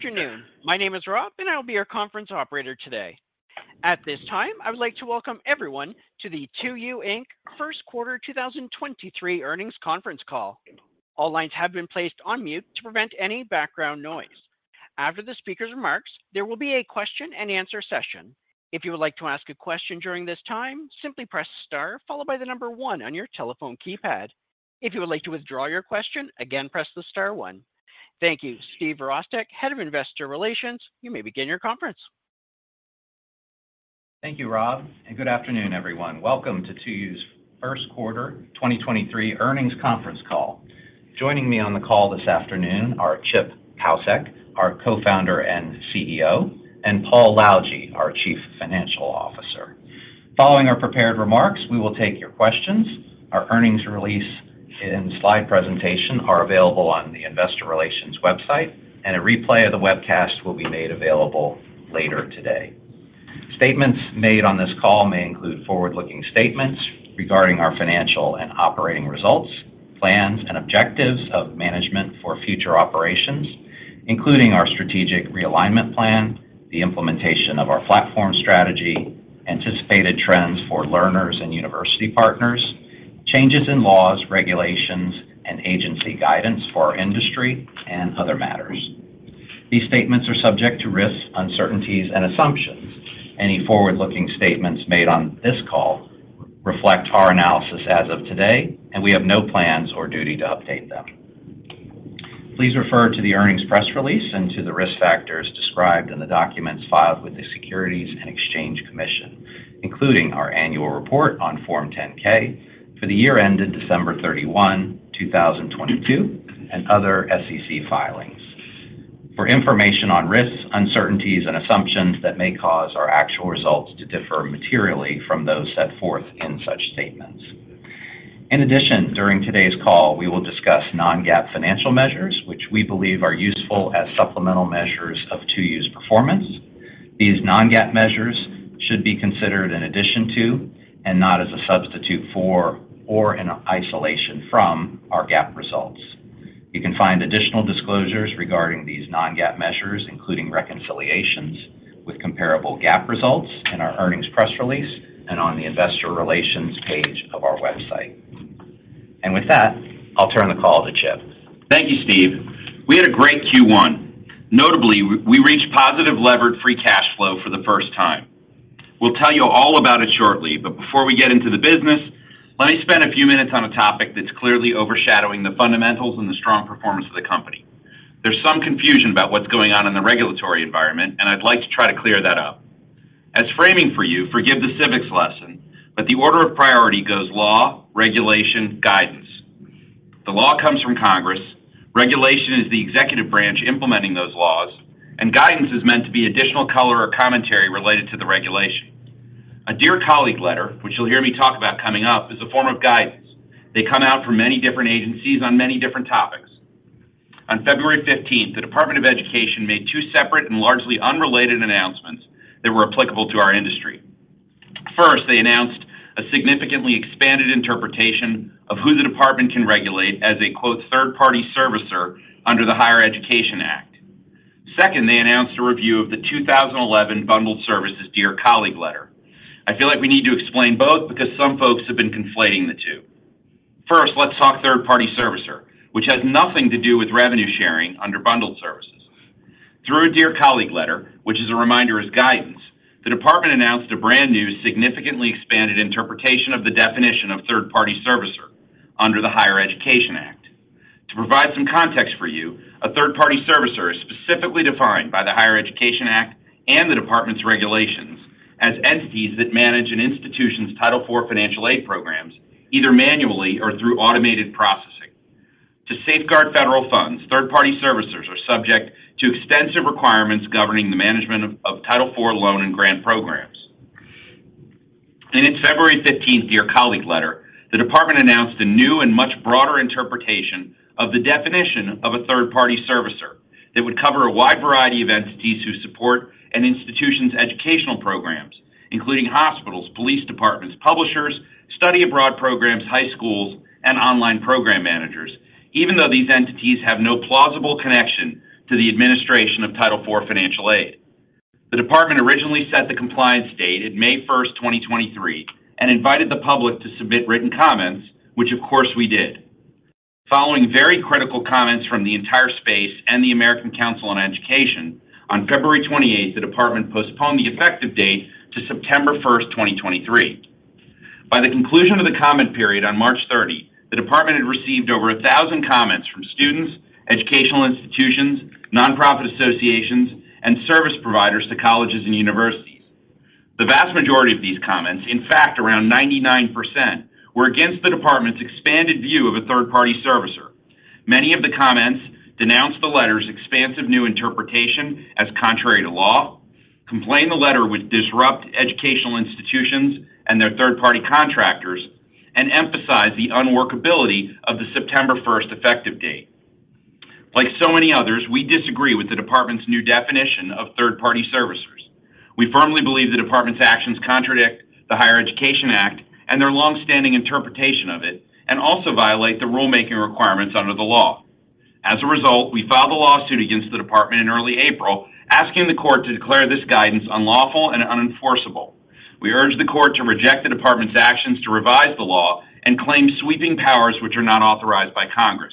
Good afternoon. My name is Rob, and I'll be your conference operator today. At this time, I would like to welcome everyone to the 2U, Inc. First Quarter 2023 Earnings Conference Call. All lines have been placed on mute to prevent any background noise. After the speaker's remarks, there will be a question-and-answer session. If you would like to ask a question during this time, simply press star followed by 1 on your telephone keypad. If you would like to withdraw your question, again, press the star one. Thank you. Steve Virostek, Head of Investor Relations. You may begin your conference. Thank you, Rob. Good afternoon, everyone. Welcome to 2U's First Quarter 2023 Earnings Conference Call. Joining me on the call this afternoon are Chip Paucek, our co-founder and CEO, and Paul Lalljie, our chief financial officer. Following our prepared remarks, we will take your questions. Our earnings release and slide presentation are available on the investor relations website, and a replay of the webcast will be made available later today. Statements made on this call may include forward-looking statements regarding our financial and operating results, plans and objectives of management for future operations, including our strategic realignment plan, the implementation of our platform strategy, anticipated trends for learners and university partners, changes in laws, regulations, and agency guidance for our industry and other matters. These statements are subject to risks, uncertainties and assumptions. Any forward-looking statements made on this call reflect our analysis as of today, and we have no plans or duty to update them. Please refer to the earnings press release and to the risk factors described in the documents filed with the Securities and Exchange Commission, including our annual report on Form 10-K for the year ended December 31, 2022, and other SEC filings for information on risks, uncertainties, and assumptions that may cause our actual results to differ materially from those set forth in such statements. In addition, during today's call, we will discuss non-GAAP financial measures, which we believe are useful as supplemental measures of 2U's performance. These non-GAAP measures should be considered in addition to and not as a substitute for or in isolation from our GAAP results. You can find additional disclosures regarding these non-GAAP measures, including reconciliations with comparable GAAP results in our earnings press release and on the investor relations page of our website. With that, I'll turn the call to Chip. Thank you, Steve. We had a great Q1. Notably, we reached positive levered free cash flow for the first time. We'll tell you all about it shortly, but before we get into the business, let me spend a few minutes on a topic that's clearly overshadowing the fundamentals and the strong performance of the company. There's some confusion about what's going on in the regulatory environment, and I'd like to try to clear that up. As framing for you, forgive the civics lesson, but the order of priority goes law, regulation, guidance. The law comes from Congress. Regulation is the executive branch implementing those laws, and guidance is meant to be additional color or commentary related to the regulation. A Dear Colleague Letter, which you'll hear me talk about coming up, is a form of guidance. They come out from many different agencies on many different topics. On February 15th, the Department of Education made two separate and largely unrelated announcements that were applicable to our industry. First, they announced a significantly expanded interpretation of who the Department can regulate as a, quote, "third-party servicer" under the Higher Education Act. Second, they announced a review of the 2011 Bundled Services Dear Colleague Letter. I feel like we need to explain both because some folks have been conflating the two. First, let's talk third-party servicer, which has nothing to do with revenue sharing under bundled services. Through a Dear Colleague Letter, which is a reminder as guidance, the Department announced a brand new, significantly expanded interpretation of the definition of third-party servicer under the Higher Education Act. To provide some context for you, a third-party servicer is specifically defined by the Higher Education Act and the Department's regulations as entities that manage an institution's Title IV financial aid programs, either manually or through automated processing. To safeguard federal funds, third-party servicers are subject to extensive requirements governing the management of Title IV loan and grant programs. In its February 15th Dear Colleague Letter, the Department announced a new and much broader interpretation of the definition of a third-party servicer that would cover a wide variety of entities who support an institution's educational programs, including hospitals, police departments, publishers, study abroad programs, high schools, and online program managers, even though these entities have no plausible connection to the administration of Title IV financial aid. The department originally set the compliance date at May first, 2023, and invited the public to submit written comments, which of course we did. Following very critical comments from the entire space and the American Council on Education, on February 28th, the department postponed the effective date to September first, 2023. By the conclusion of the comment period on March 30, the department had received over 1,000 comments from students, educational institutions, nonprofit associations, and service providers to colleges and universities. The vast majority of these comments, in fact, around 99%, were against the department's expanded view of a third-party servicer. Many of the comments denounced the letter's expansive new interpretation as contrary to law, complained the letter would disrupt educational institutions and their third-party contractors, and emphasized the unworkability of the September first effective date. Like so many others, we disagree with the Department's new definition of third-party servicers. We firmly believe the Department's actions contradict the Higher Education Act and their long-standing interpretation of it, and also violate the rulemaking requirements under the law. As a result, we filed a lawsuit against the Department in early April, asking the court to declare this guidance unlawful and unenforceable. We urge the court to reject the Department's actions to revise the law and claim sweeping powers which are not authorized by Congress.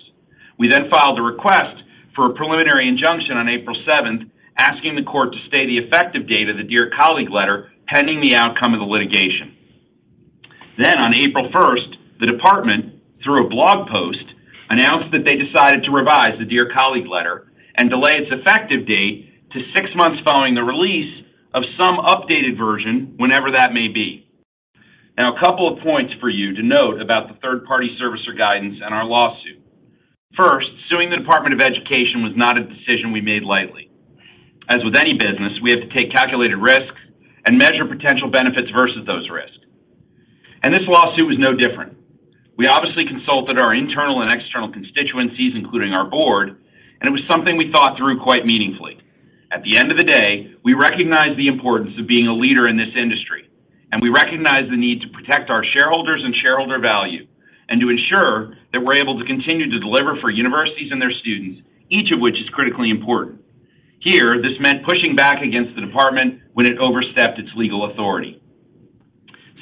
We then filed a request for a preliminary injunction on April seventh, asking the court to stay the effective date of the Dear Colleague Letter pending the outcome of the litigation. On April first, the Department, through a blog post, announced that they decided to revise the Dear Colleague Letter and delay its effective date to six months following the release of some updated version, whenever that may be. A couple of points for you to note about the third-party servicer guidance and our lawsuit. First, suing the Department of Education was not a decision we made lightly. As with any business, we have to take calculated risks and measure potential benefits versus those risks. This lawsuit was no different. We obviously consulted our internal and external constituencies, including our board, and it was something we thought through quite meaningfully. At the end of the day, we recognize the importance of being a leader in this industry. We recognize the need to protect our shareholders and shareholder value and to ensure that we're able to continue to deliver for universities and their students, each of which is critically important. Here, this meant pushing back against the Department when it overstepped its legal authority.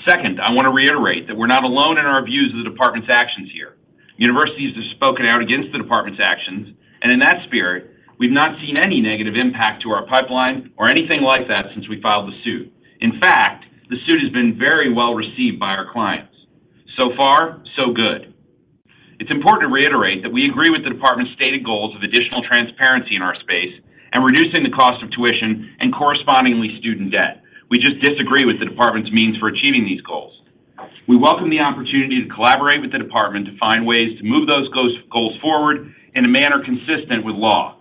Second, I want to reiterate that we're not alone in our views of the Department's actions here. Universities have spoken out against the Department's actions. In that spirit, we've not seen any negative impact to our pipeline or anything like that since we filed the suit. In fact, the suit has been very well-received by our clients. So far, so good. It's important to reiterate that we agree with the Department's stated goals of additional transparency in our space and reducing the cost of tuition and correspondingly student debt. We just disagree with the Department's means for achieving these goals. We welcome the opportunity to collaborate with the Department to find ways to move those goals forward in a manner consistent with law.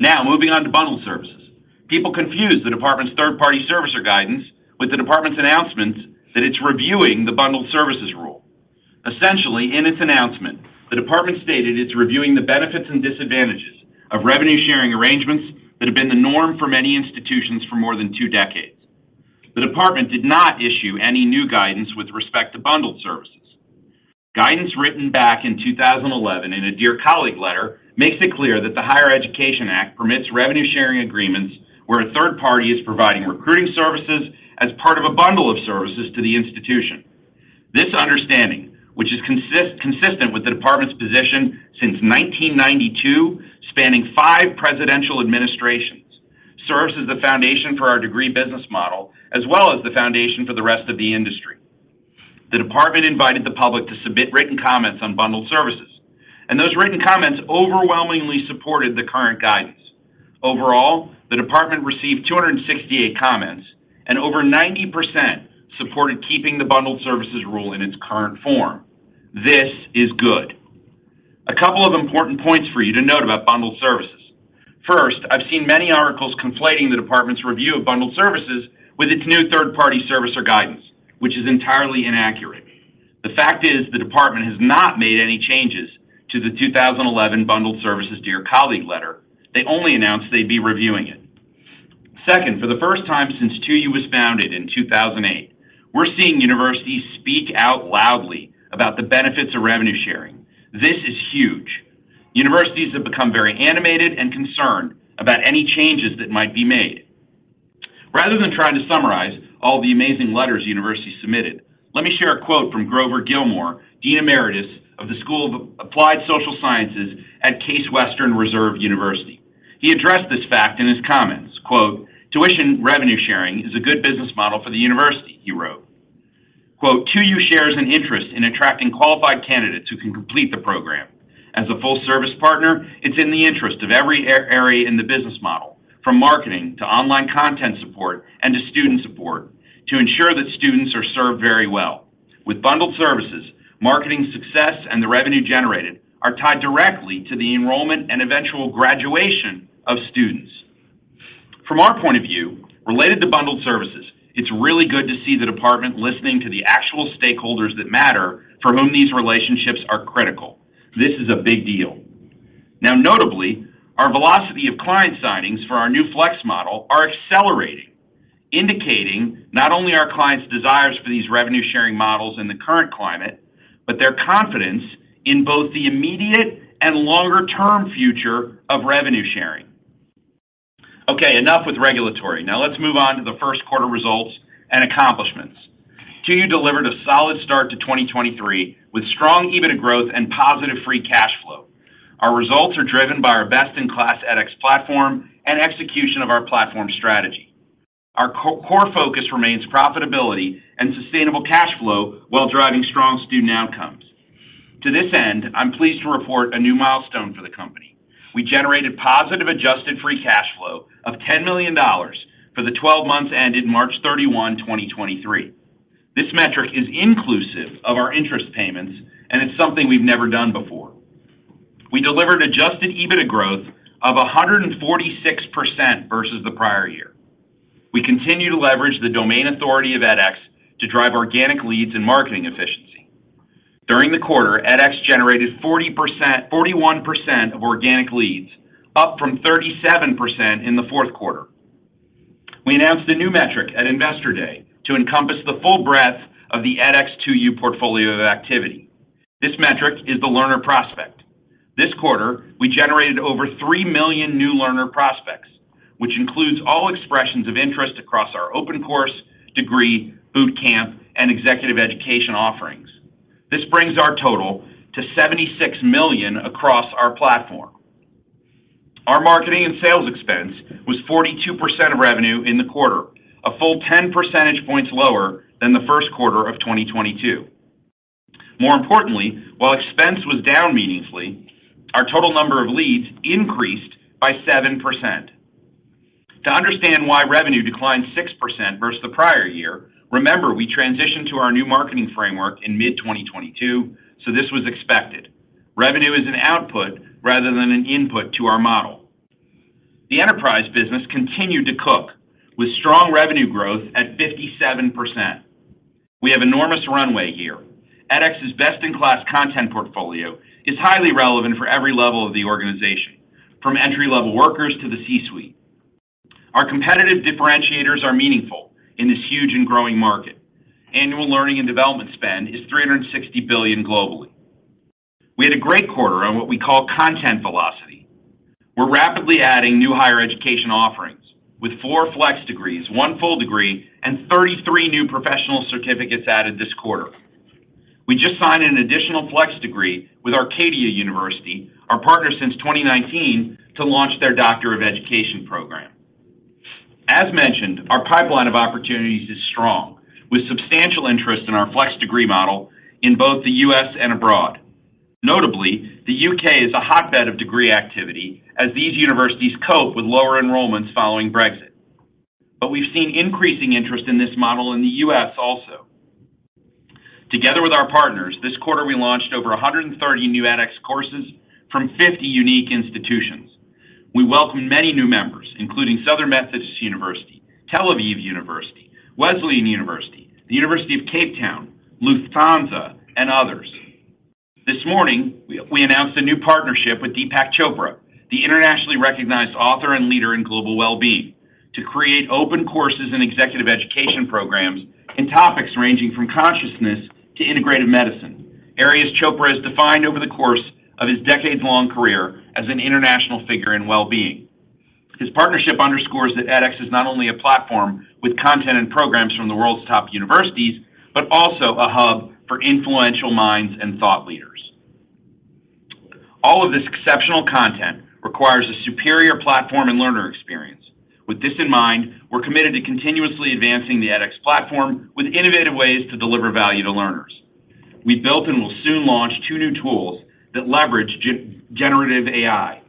Moving on to bundled services. People confuse the Department's third-party servicer guidance with the Department's announcements that it's reviewing the bundled services rule. Essentially, in its announcement, the Department stated it's reviewing the benefits and disadvantages of revenue-sharing arrangements that have been the norm for many institutions for more than two decades. The Department did not issue any new guidance with respect to bundled services. Guidance written back in 2011 in a Dear Colleague Letter makes it clear that the Higher Education Act permits revenue sharing agreements where a third party is providing recruiting services as part of a bundle of services to the institution. This understanding, which is consistent with the Department's position since 1992, spanning five presidential administrations, serves as the foundation for our degree business model, as well as the foundation for the rest of the industry. The Department invited the public to submit written comments on bundled services, and those written comments overwhelmingly supported the current guidance. Overall, the Department received 268 comments, and over 90% supported keeping the bundled services rule in its current form. This is good. A couple of important points for you to note about bundled services. First, I've seen many articles conflating the Department's review of bundled services with its new third-party servicer guidance, which is entirely inaccurate. The fact is, the Department has not made any changes to the 2011 Bundled Services Dear Colleague Letter. They only announced they'd be reviewing it. Second, for the first time since 2U was founded in 2008, we're seeing universities speak out loudly about the benefits of revenue sharing. This is huge. Universities have become very animated and concerned about any changes that might be made. Rather than trying to summarize all the amazing letters universities submitted, let me share a quote from Grover Gilmore, Dean Emeritus of the Jack, Joseph, and Morton Mandel School of Applied Social Sciences at Case Western Reserve University. He addressed this fact in his comments. Quote, "Tuition revenue sharing is a good business model for the university," he wrote. Quote, "2U shares an interest in attracting qualified candidates who can complete the program. As a full-service partner, it's in the interest of every area in the business model, from marketing to online content support and to student support to ensure that students are served very well. With bundled services, marketing success and the revenue generated are tied directly to the enrollment and eventual graduation of students." From our point of view, related to bundled services, it's really good to see the Department listening to the actual stakeholders that matter for whom these relationships are critical. This is a big deal. Notably, our velocity of client signings for our new flex model are accelerating, indicating not only our clients' desires for these revenue-sharing models in the current climate, but their confidence in both the immediate and longer-term future of revenue sharing. Okay, enough with regulatory. Now let's move on to the first quarter results and accomplishments. 2U delivered a solid start to 2023 with strong EBITDA growth and positive free cash flow. Our results are driven by our best-in-class edX platform and execution of our platform strategy. Our core focus remains profitability and sustainable cash flow while driving strong student outcomes. To this end, I'm pleased to report a new milestone for the company. We generated positive adjusted free cash flow of $10 million for the 12 months ended March 31, 2023. This metric is inclusive of our interest payments, and it's something we've never done before. We delivered adjusted EBITDA growth of 146% versus the prior year. We continue to leverage the domain authority of edX to drive organic leads and marketing efficiency. During the quarter, edX generated 41% of organic leads, up from 37% in the fourth quarter. We announced a new metric at Investor Day to encompass the full breadth of the edX2U portfolio of activity. This metric is the learner prospect. This quarter, we generated over 3 million new learner prospects, which includes all expressions of interest across our open course, degree, boot camp, and executive education offerings. This brings our total to 76 million across our platform. Our marketing and sales expense was 42% of revenue in the quarter, a full 10 percentage points lower than the first quarter of 2022. More importantly, while expense was down meaningfully, our total number of leads increased by 7%. To understand why revenue declined 6% versus the prior year, remember, we transitioned to our new marketing framework in mid-2022, so this was expected. Revenue is an output rather than an input to our model. The enterprise business continued to cook with strong revenue growth at 57%. We have enormous runway here. edX's best-in-class content portfolio is highly relevant for every level of the organization, from entry-level workers to the C-suite. Our competitive differentiators are meaningful in this huge and growing market. Annual learning and development spend is $360 billion globally. We had a great quarter on what we call content velocity. We're rapidly adding new higher education offerings with 4 flex degrees, 1 full degree, and 33 new Professional Certificates added this quarter. We just signed an additional flex degree with Arcadia University, our partner since 2019, to launch their Doctor of Education program. As mentioned, our pipeline of opportunities is strong, with substantial interest in our flex degree model in both the U.S. and abroad. Notably, the U.K. is a hotbed of degree activity as these universities cope with lower enrollments following Brexit. We've seen increasing interest in this model in the U.S. also. Together with our partners, this quarter we launched over 130 new edX courses from 50 unique institutions. We welcome many new members, including Southern Methodist University, Tel Aviv University, Wesleyan University, the University of Cape Town, Lufthansa, and others. This morning, we announced a new partnership with Deepak Chopra, the internationally recognized author and leader in global wellbeing, to create open courses and executive education programs in topics ranging from consciousness to integrated medicine, areas Chopra has defined over the course of his decades-long career as an international figure in wellbeing. His partnership underscores that edX is not only a platform with content and programs from the world's top universities, but also a hub for influential minds and thought leaders. All of this exceptional content requires a superior platform and learner experience. With this in mind, we're committed to continuously advancing the edX platform with innovative ways to deliver value to learners. We built and will soon launch two new tools that leverage generative AI.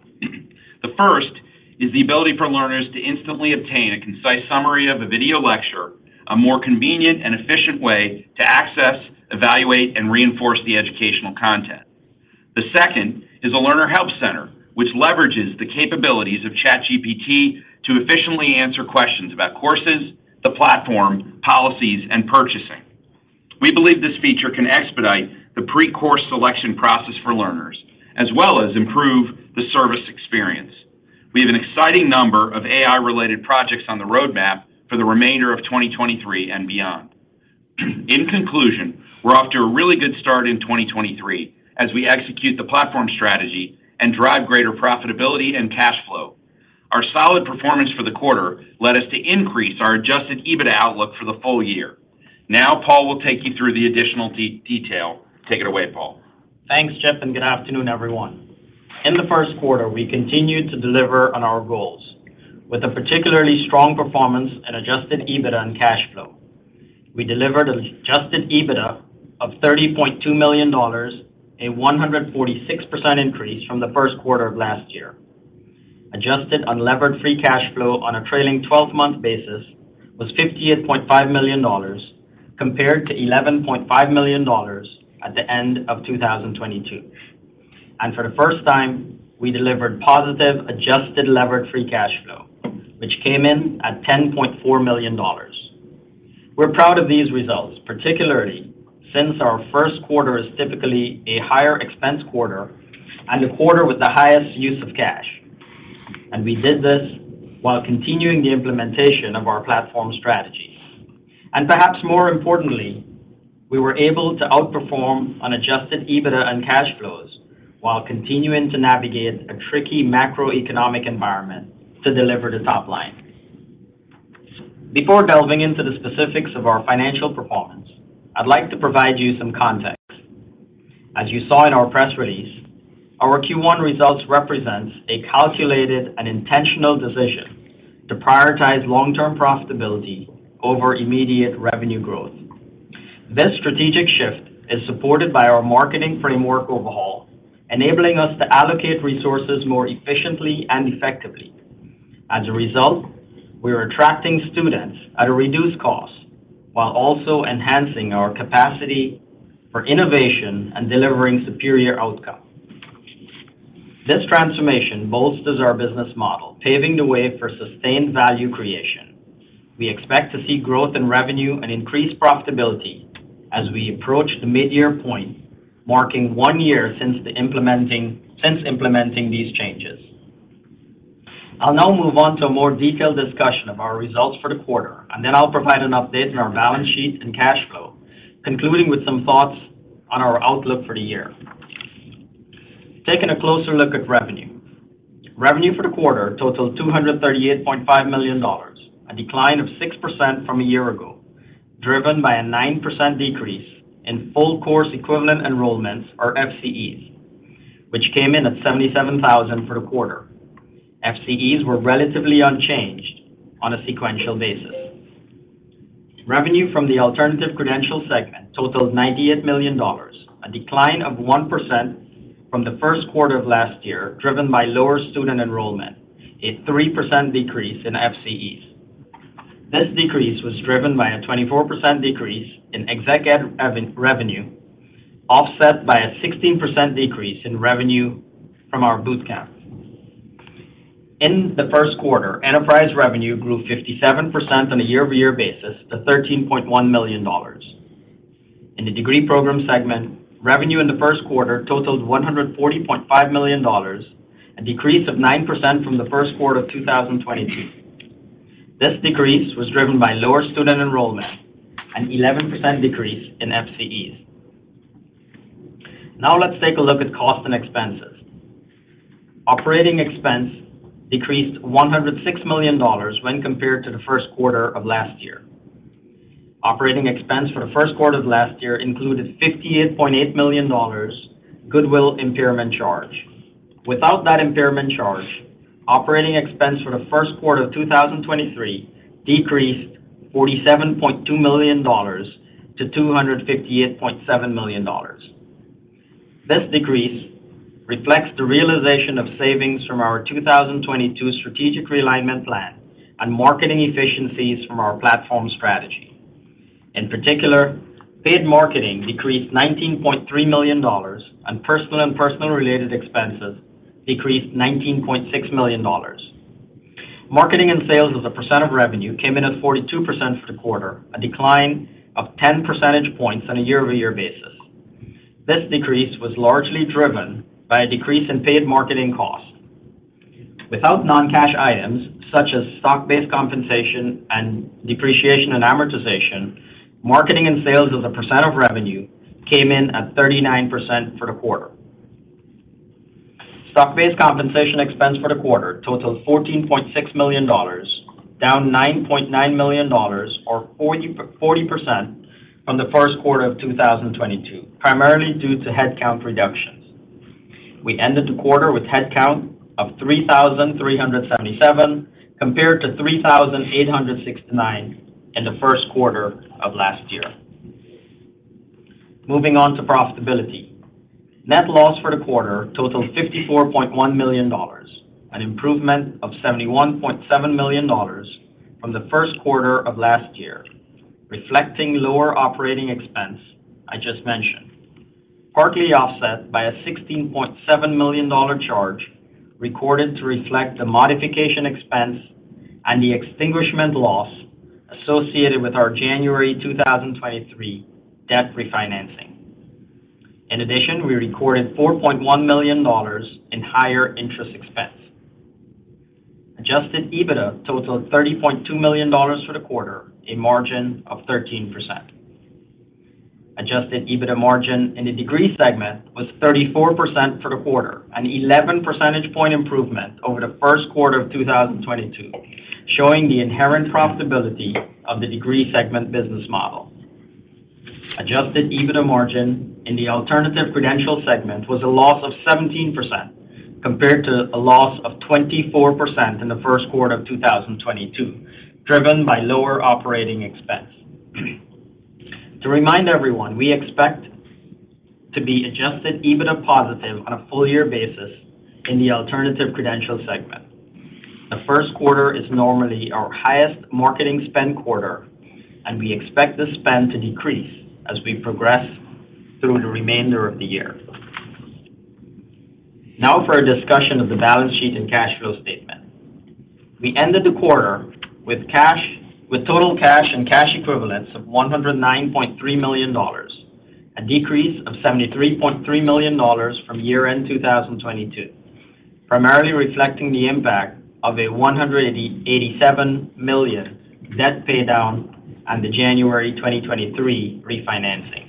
The first is the ability for learners to instantly obtain a concise summary of a video lecture, a more convenient and efficient way to access, evaluate, and reinforce the educational content. The second is a learner help center, which leverages the capabilities of ChatGPT to efficiently answer questions about courses, the platform, policies, and purchasing. We believe this feature can expedite the pre-course selection process for learners, as well as improve the service experience. We have an exciting number of AI-related projects on the roadmap for the remainder of 2023 and beyond. In conclusion, we're off to a really good start in 2023 as we execute the platform strategy and drive greater profitability and cash flow. Our solid performance for the quarter led us to increase our adjusted EBITDA outlook for the full year. Paul will take you through the additional detail. Take it away, Paul. Thanks, Jeff. Good afternoon, everyone. In the first quarter, we continued to deliver on our goals with a particularly strong performance in adjusted EBITDA and cash flow. We delivered adjusted EBITDA of $30.2 million, a 146% increase from the first quarter of last year. Adjusted unlevered free cash flow on a trailing twelve-month basis was $58.5 million compared to $11.5 million at the end of 2022. For the first time, we delivered positive adjusted levered free cash flow, which came in at $10.4 million. We're proud of these results, particularly since our first quarter is typically a higher expense quarter and the quarter with the highest use of cash. We did this while continuing the implementation of our platform strategy. Perhaps more importantly, we were able to outperform on adjusted EBITDA and cash flows while continuing to navigate a tricky macroeconomic environment to deliver the top line. Before delving into the specifics of our financial performance, I'd like to provide you some context. As you saw in our press release, our Q1 results represents a calculated and intentional decision to prioritize long-term profitability over immediate revenue growth. This strategic shift is supported by our marketing framework overhaul, enabling us to allocate resources more efficiently and effectively. As a result, we are attracting students at a reduced cost while also enhancing our capacity for innovation and delivering superior outcomes. This transformation bolsters our business model, paving the way for sustained value creation. We expect to see growth in revenue and increased profitability as we approach the mid-year point, marking one year since implementing these changes. I'll now move on to a more detailed discussion of our results for the quarter, and then I'll provide an update on our balance sheet and cash flow, concluding with some thoughts on our outlook for the year. Taking a closer look at revenue. Revenue for the quarter totaled $238.5 million, a decline of 6% from a year ago, driven by a 9% decrease in full course equivalent enrollments or FCEs, which came in at 77,000 for the quarter. FCEs were relatively unchanged on a sequential basis. Revenue from the Alternative Credential Segment totaled $98 million, a decline of 1% from the 1st quarter of last year, driven by lower student enrollment, a 3% decrease in FCEs. This decrease was driven by a 24% decrease in exec ed revenue, offset by a 16% decrease in revenue from our boot camps. In the first quarter, enterprise revenue grew 57% on a year-over-year basis to $13.1 million. In the Degree Program Segment, revenue in the first quarter totaled $140.5 million, a decrease of 9% from the first quarter of 2022. This decrease was driven by lower student enrollment, an 11% decrease in FCEs. Let's take a look at cost and expenses. Operating expense decreased $106 million when compared to the first quarter of last year. Operating expense for the first quarter of last year included a $58.8 million goodwill impairment charge. Without that impairment charge, operating expense for the first quarter of 2023 decreased $47.2 million to $258.7 million. This decrease reflects the realization of savings from our 2022 strategic realignment plan on marketing efficiencies from our platform strategy. In particular, paid marketing decreased $19.3 million, and personnel and personnel-related expenses decreased $19.6 million. Marketing and sales as a percent of revenue came in at 42% for the quarter, a decline of 10 percentage points on a year-over-year basis. This decrease was largely driven by a decrease in paid marketing costs. Without non-cash items such as stock-based compensation and depreciation and amortization, marketing sales as a percent of revenue came in at 39% for the quarter. Stock-based compensation expense for the quarter totaled $14.6 million, down $9.9 million or 40% from the first quarter of 2022, primarily due to headcount reductions. We ended the quarter with headcount of 3,377, compared to 3,869 in the first quarter of last year. Moving on to profitability. Net loss for the quarter totaled $54.1 million, an improvement of $71.7 million from the first quarter of last year, reflecting lower operating expense I just mentioned, partly offset by a $16.7 million charge recorded to reflect the modification expense and the extinguishment loss associated with our January 2023 debt refinancing. We recorded $4.1 million in higher interest expense. Adjusted EBITDA totaled $30.2 million for the quarter, a margin of 13%. Adjusted EBITDA margin in the Degree Segment was 34% for the quarter, an 11 percentage point improvement over the first quarter of 2022, showing the inherent profitability of the Degree Segment business model. Adjusted EBITDA margin in the Alternative Credential Segment was a loss of 17% compared to a loss of 24% in the first quarter of 2022, driven by lower operating expense. To remind everyone, we expect to be adjusted EBITDA positive on a full year basis in the Alternative Credential Segment. The first quarter is normally our highest marketing spend quarter, and we expect the spend to decrease as we progress through the remainder of the year. Now for a discussion of the balance sheet and cash flow statement. We ended the quarter with total cash and cash equivalents of $109.3 million, a decrease of $73.3 million from year-end 2022, primarily reflecting the impact of a $187 million debt paydown on the January 2023 refinancing.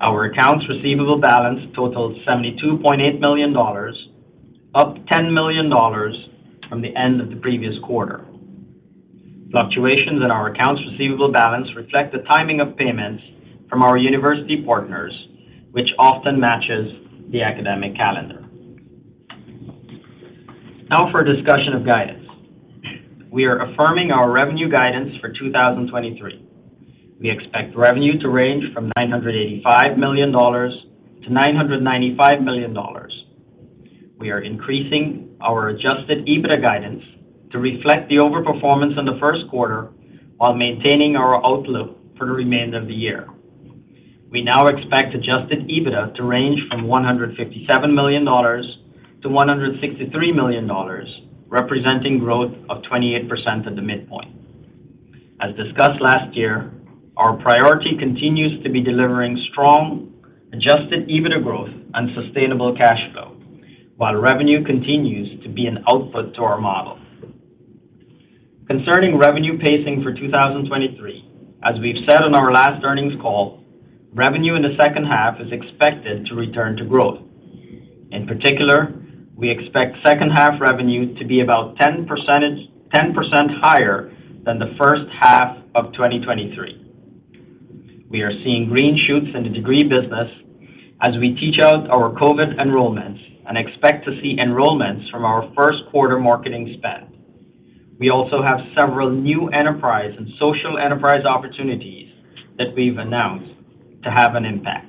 Our accounts receivable balance totaled $72.8 million, up $10 million from the end of the previous quarter. Fluctuations in our accounts receivable balance reflect the timing of payments from our university partners, which often matches the academic calendar. For a discussion of guidance. We are affirming our revenue guidance for 2023. We expect revenue to range from $985 million-$995 million. We are increasing our adjusted EBITDA guidance to reflect the overperformance in the first quarter while maintaining our outlook for the remainder of the year. We now expect adjusted EBITDA to range from $157 million-$163 million, representing growth of 28% at the midpoint. As discussed last year, our priority continues to be delivering strong adjusted EBITDA growth and sustainable cash flow, while revenue continues to be an output to our model. Concerning revenue pacing for 2023, as we've said on our last earnings call, revenue in the second half is expected to return to growth. In particular, we expect second half revenue to be about 10% higher than the first half of 2023. We are seeing green shoots in the degree business as we teach out our COVID enrollments and expect to see enrollments from our first quarter marketing spend. We also have several new enterprise and social enterprise opportunities that we've announced to have an impact.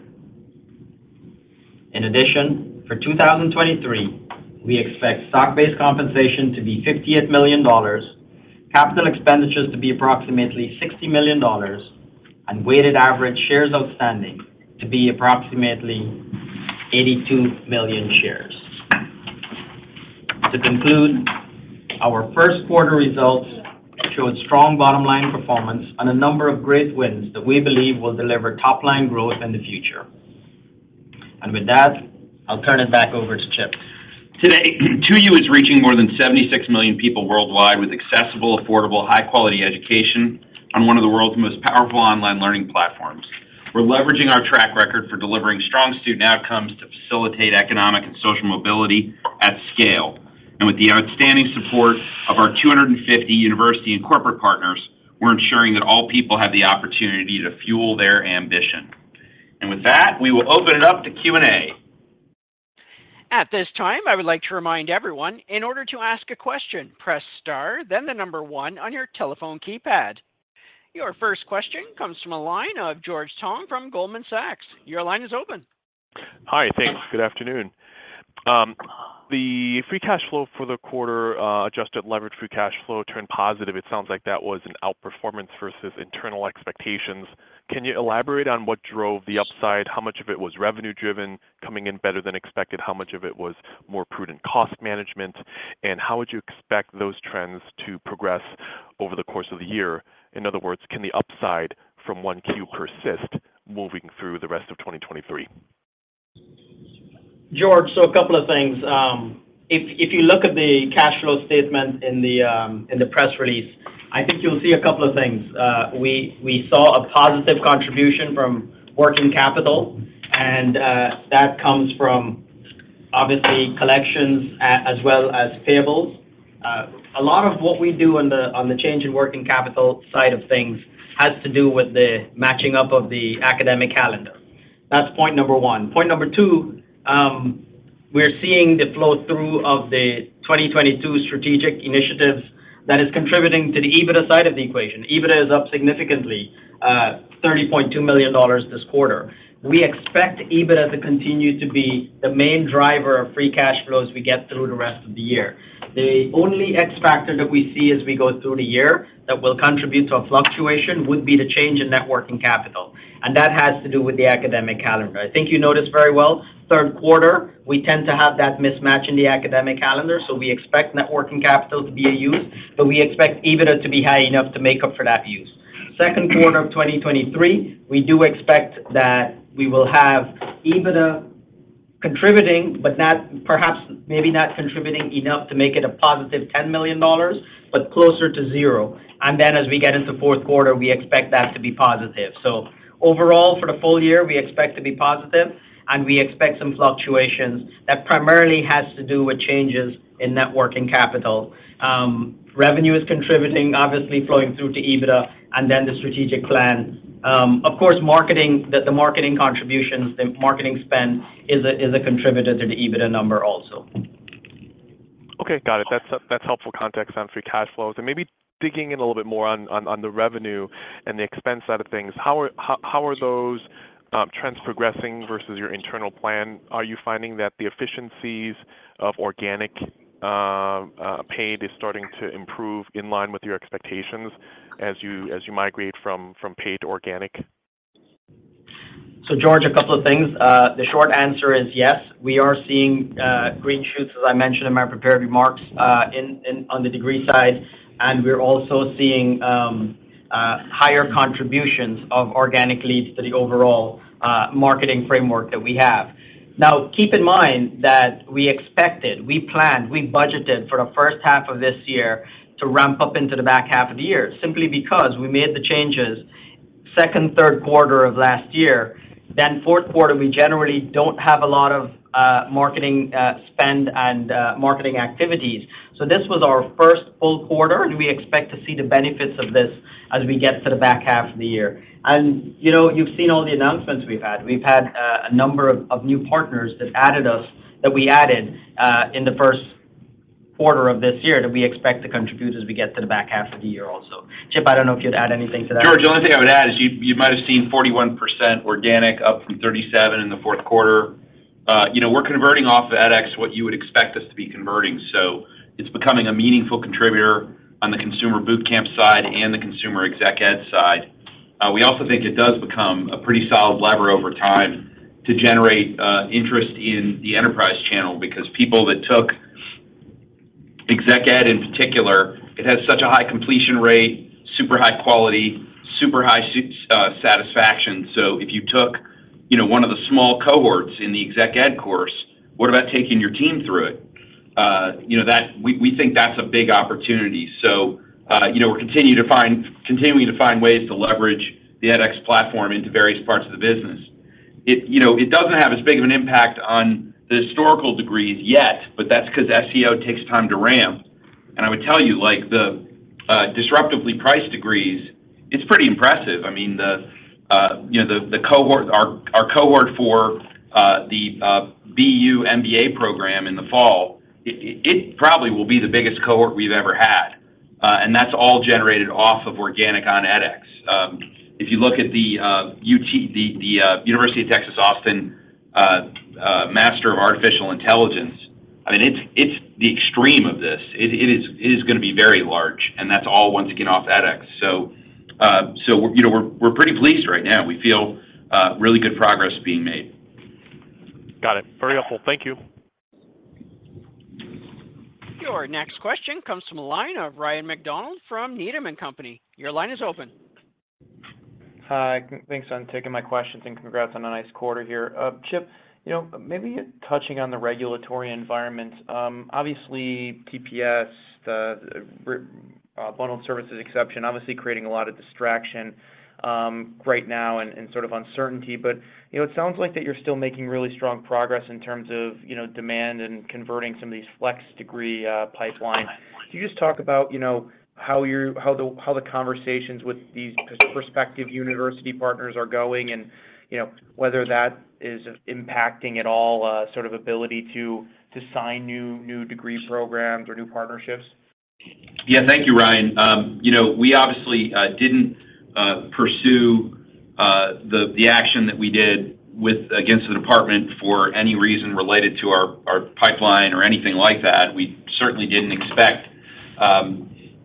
In addition, for 2023, we expect stock-based compensation to be $58 million, capital expenditures to be approximately $60 million, and weighted average shares outstanding to be approximately 82 million shares. To conclude, our first quarter results showed strong bottom line performance on a number of great wins that we believe will deliver top line growth in the future. With that, I'll turn it back over to Chip. Today, 2U is reaching more than 76 million people worldwide with accessible, affordable, high-quality education on one of the world's most powerful online learning platforms. We're leveraging our track record for delivering strong student outcomes to facilitate economic and social mobility at scale. With the outstanding support of our 250 university and corporate partners, we're ensuring that all people have the opportunity to fuel their ambition. With that, we will open it up to Q&A. At this time, I would like to remind everyone, in order to ask a question, press star, then the number one on your telephone keypad. Your first question comes from a line of George Tong from Goldman Sachs. Your line is open. Hi. Thanks. Good afternoon. The free cash flow for the quarter, adjusted levered free cash flow turned positive. It sounds like that was an outperformance versus internal expectations. Can you elaborate on what drove the upside? How much of it was revenue-driven coming in better than expected? How much of it was more prudent cost management? How would you expect those trends to progress over the course of the year? In other words, can the upside from 1Q persist moving through the rest of 2023? George, a couple of things. If you look at the cash flow statement in the press release, I think you'll see a couple of things. We saw a positive contribution from working capital, and that comes from obviously collections as well as payables. A lot of what we do on the change in working capital side of things has to do with the matching up of the academic calendar. That's point number 1. Point number 2, we're seeing the flow through of the 2022 strategic initiatives that is contributing to the EBITDA side of the equation. EBITDA is up significantly, $30.2 million this quarter. We expect EBITDA to continue to be the main driver of free cash flow as we get through the rest of the year. The only X factor that we see as we go through the year that will contribute to a fluctuation would be the change in net working capital, and that has to do with the academic calendar. I think you noticed very well, third quarter, we tend to have that mismatch in the academic calendar, so we expect net working capital to be a use, but we expect EBITDA to be high enough to make up for that use. Second quarter of 2023, we do expect that we will have EBITDA contributing, but perhaps maybe not contributing enough to make it a positive $10 million, but closer to 0. As we get into fourth quarter, we expect that to be positive. Overall, for the full year, we expect to be positive, and we expect some fluctuations. That primarily has to do with changes in net working capital. Revenue is contributing, obviously flowing through to EBITDA and then the strategic plan. Of course, marketing, the marketing contributions, the marketing spend is a contributor to the EBITDA number also. Okay. Got it. That's helpful context on free cash flows. Maybe digging in a little bit more on the revenue and the expense side of things, how are those trends progressing versus your internal plan? Are you finding that the efficiencies of organic paid is starting to improve in line with your expectations as you migrate from paid to organic? George, a couple of things. The short answer is yes. We are seeing green shoots, as I mentioned in my prepared remarks on the degree side, and we're also seeing higher contributions of organic leads to the overall marketing framework that we have. Keep in mind that we expected, we planned, we budgeted for the first half of this year to ramp up into the back half of the year simply because we made the changes second, third quarter of last year. Fourth quarter, we generally don't have a lot of marketing spend and marketing activities. This was our first full quarter, and we expect to see the benefits of this as we get to the back half of the year. You know, you've seen all the announcements we've had. We've had, a number of new partners that we added in the first quarter of this year that we expect to contribute as we get to the back half of the year also. Chip, I don't know if you'd add anything to that. George, the only thing I would add is you might've seen 41% organic up from 37 in the fourth quarter. you know, we're converting off of edX what you would expect atConverting. It's becoming a meaningful contributor on the consumer boot camp side and the consumer exec ed side. We also think it does become a pretty solid lever over time to generate interest in the enterprise channel because people that took exec ed in particular, it has such a high completion rate, super high quality, super high satisfaction. if you took, you know, one of the small cohorts in the exec ed course, what about taking your team through it? you know, that We think that's a big opportunity. You know, we're continuing to find ways to leverage the edX platform into various parts of the business. It, you know, it doesn't have as big of an impact on the historical degrees yet, but that's 'cause SEO takes time to ramp. I would tell you, like the disruptively priced degrees, it's pretty impressive. I mean, you know, the cohort. Our cohort for the BU MBA program in the fall, it probably will be the biggest cohort we've ever had, and that's all generated off of organic on edX. If you look at the UT, the University of Texas at Austin Master of Artificial Intelligence, I mean, it's the extreme of this. It is gonna be very large, and that's all once again off edX. You know, we're pretty pleased right now. We feel really good progress being made. Got it. Very helpful. Thank you. Your next question comes from the line of Ryan MacDonald from Needham & Company. Your line is open. Hi, thanks on taking my questions, and congrats on a nice quarter here. Chip, you know, maybe touching on the regulatory environment, obviously TPS, the bundled services exception obviously creating a lot of distraction right now and sort of uncertainty. It sounds like that you're still making really strong progress in terms of, you know, demand and converting some of these flex degree pipeline. Can you just talk about, you know, how the conversations with these prospective university partners are going and, you know, whether that is impacting at all sort of ability to sign new degree programs or new partnerships? Yeah. Thank you, Ryan. you know, we obviously didn't pursue the action that we did against the Department for any reason related to our pipeline or anything like that. We certainly didn't expect,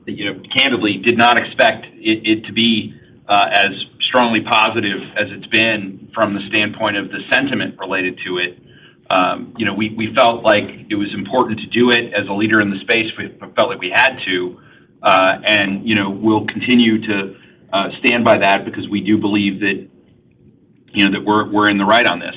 you know, candidly did not expect it to be as strongly positive as it's been from the standpoint of the sentiment related to it. you know, we felt like it was important to do it. As a leader in the space, we felt like we had to, and, you know, we'll continue to stand by that because we do believe that, you know, that we're in the right on this.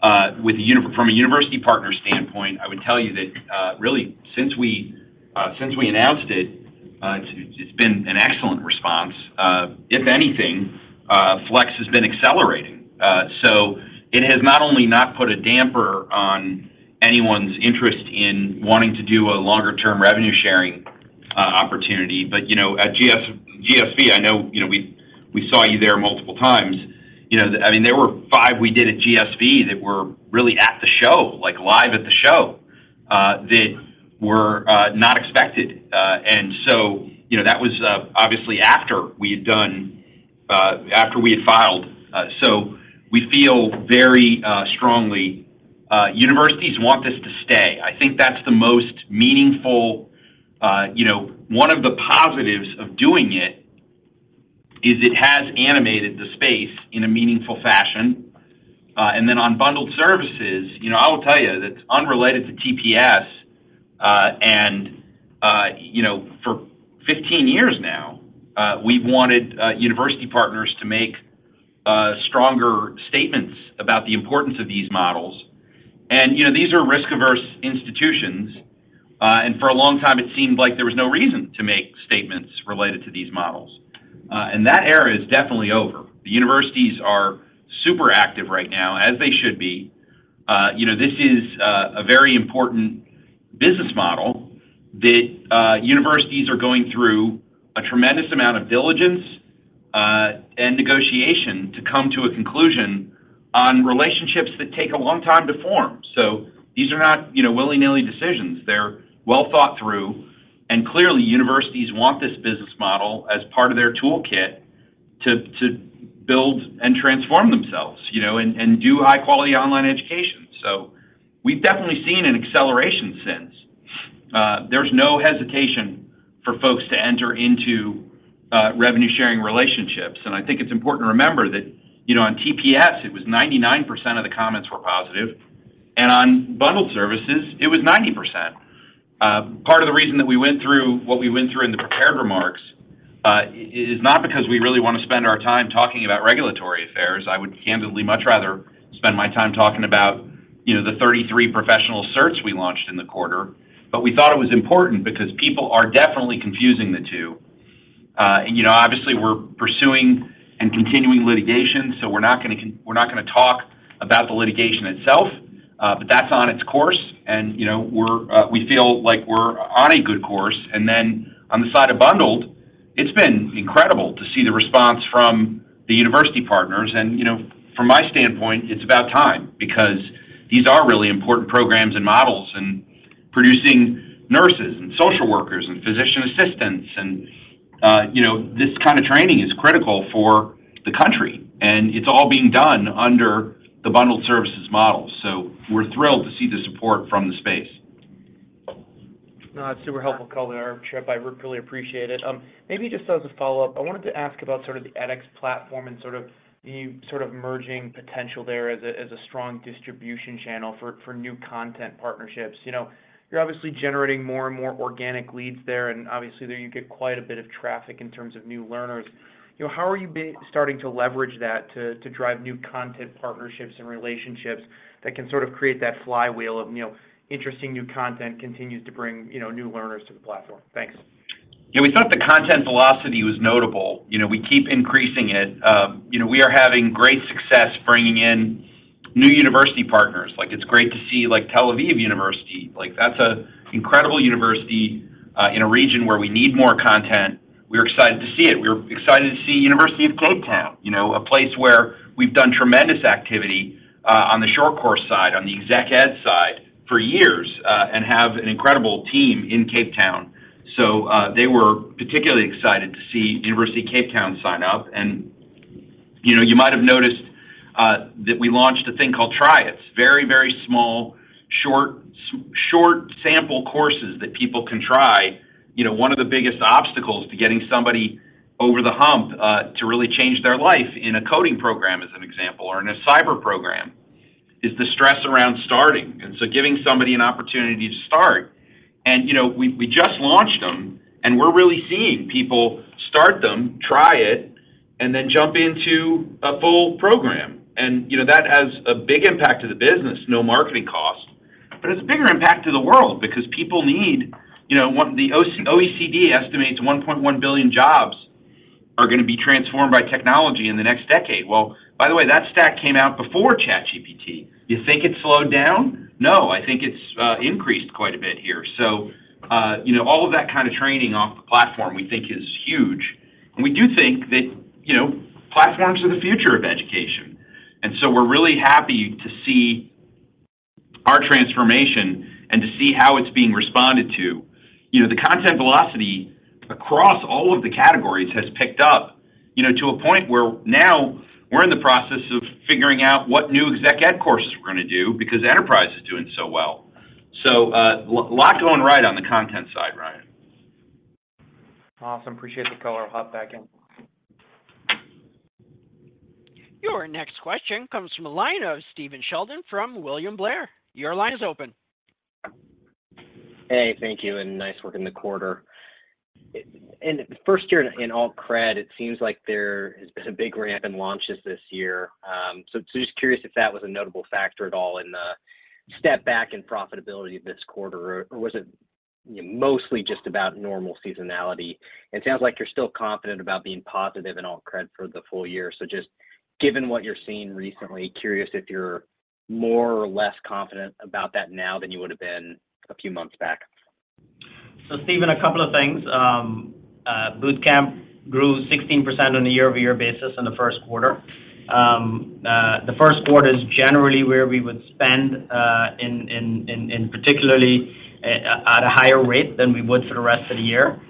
From a university partner standpoint, I would tell you that, really since we announced it's been an excellent response. If anything, flex has been accelerating. It has not only not put a damper on anyone's interest in wanting to do a longer term revenue sharing opportunity, but, you know, at ASU+GSV, I know, you know, we saw you there multiple times. You know, I mean, there were five we did at GSV that were really at the show, like live at the show, that were not expected. You know, that was obviously after we had done after we had filed. We feel very strongly universities want this to stay. I think that's the most meaningful, you know. One of the positives of doing it is it has animated the space in a meaningful fashion. On bundled services, you know, I will tell you that's unrelated to TPS, and, you know, for 15 years now, we've wanted university partners to make stronger statements about the importance of these models. You know, these are risk-averse institutions, and for a long time it seemed like there was no reason to make statements related to these models. That era is definitely over. The universities are super active right now, as they should be. You know, this is a very important business model that universities are going through a tremendous amount of diligence, and negotiation to come to a conclusion on relationships that take a long time to form. These are not, you know, willy-nilly decisions. They're well thought through. Clearly universities want this business model as part of their toolkit to build and transform themselves, you know, and do high quality online education. We've definitely seen an acceleration since. There's no hesitation for folks to enter into revenue sharing relationships. I think it's important to remember that, you know, on TPS, it was 99% of the comments were positive, and on bundled services, it was 90%. Part of the reason that we went through what we went through in the prepared remarks is not because we really wanna spend our time talking about regulatory affairs. I would candidly much rather spend my time talking about, you know, the 33 Professional Certs we launched in the quarter. We thought it was important because people are definitely confusing the two. You know, obviously we're pursuing and continuing litigation, so we're not gonna talk about the litigation itself, but that's on its course and, you know, we feel like we're on a good course. Then on the side of bundled, it's been incredible to see the response from the university partners. You know, from my standpoint, it's about time because these are really important programs and models in producing nurses and social workers and physician assistants. You know, this kind of training is critical for the country, and it's all being done under the bundled services model. We're thrilled to see the support from the space. No, that's super helpful color, Chip. I really appreciate it. Maybe just as a follow-up, I wanted to ask about sort of the edX platform and sort of the merging potential there as a strong distribution channel for new content partnerships. You know, you're obviously generating more and more organic leads there, and obviously there you get quite a bit of traffic in terms of new learners. You know, how are you starting to leverage that to drive new content partnerships and relationships that can sort of create that flywheel of, you know, interesting new content continues to bring, you know, new learners to the platform? Thanks. Yeah, we thought the content velocity was notable. You know, we keep increasing it. You know, we are having great success bringing in new university partners. Like, it's great to see, like, Tel Aviv University. Like, that's a incredible university in a region where we need more content. We're excited to see it. We're excited to see University of Cape Town, you know, a place where we've done tremendous activity on the short course side, on the exec ed side for years, and have an incredible team in Cape Town. So, they were particularly excited to see University of Cape Town sign up. And, you know, you might have noticed that we launched a thing called Try It. It's very, very small, short sample courses that people can try. You know, one of the biggest obstacles to getting somebody over the hump, to really change their life in a coding program, as an example, or in a cyber program, is the stress around starting, and so giving somebody an opportunity to start. You know, we just launched them, and we're really seeing people start them, Try It, and then jump into a full program. You know, that has a big impact to the business, no marketing cost. It's a bigger impact to the world because people need, you know The OECD estimates 1.1 billion jobs are gonna be transformed by technology in the next decade. By the way, that stat came out before ChatGPT. You think it slowed down? No. I think it's increased quite a bit here. You know, all of that kind of training off the platform we think is huge. We do think that, you know, platforms are the future of education, we're really happy to see our transformation and to see how it's being responded to. You know, the content velocity across all of the categories has picked up, you know, to a point where now we're in the process of figuring out what new exec ed courses we're gonna do because enterprise is doing so well. Lot going right on the content side, Ryan. Awesome. Appreciate the color. I'll hop back in. Your next question comes from the line of Stephen Sheldon from William Blair. Your line is open. Hey, thank you, and nice work in the quarter. In the first year in Alt Cred, it seems like there has been a big ramp in launches this year. just curious if that was a notable factor at all in the step back in profitability this quarter, was it mostly just about normal seasonality? It sounds like you're still confident about being positive in Alt Cred for the full year. Just given what you're seeing recently, curious if you're more or less confident about that now than you would've been a few months back. Stephen, a couple of things. boot camps grew 16% on a year-over-year basis in the first quarter. The first quarter is generally where we would spend in particularly at a higher rate than we would for the rest of the year.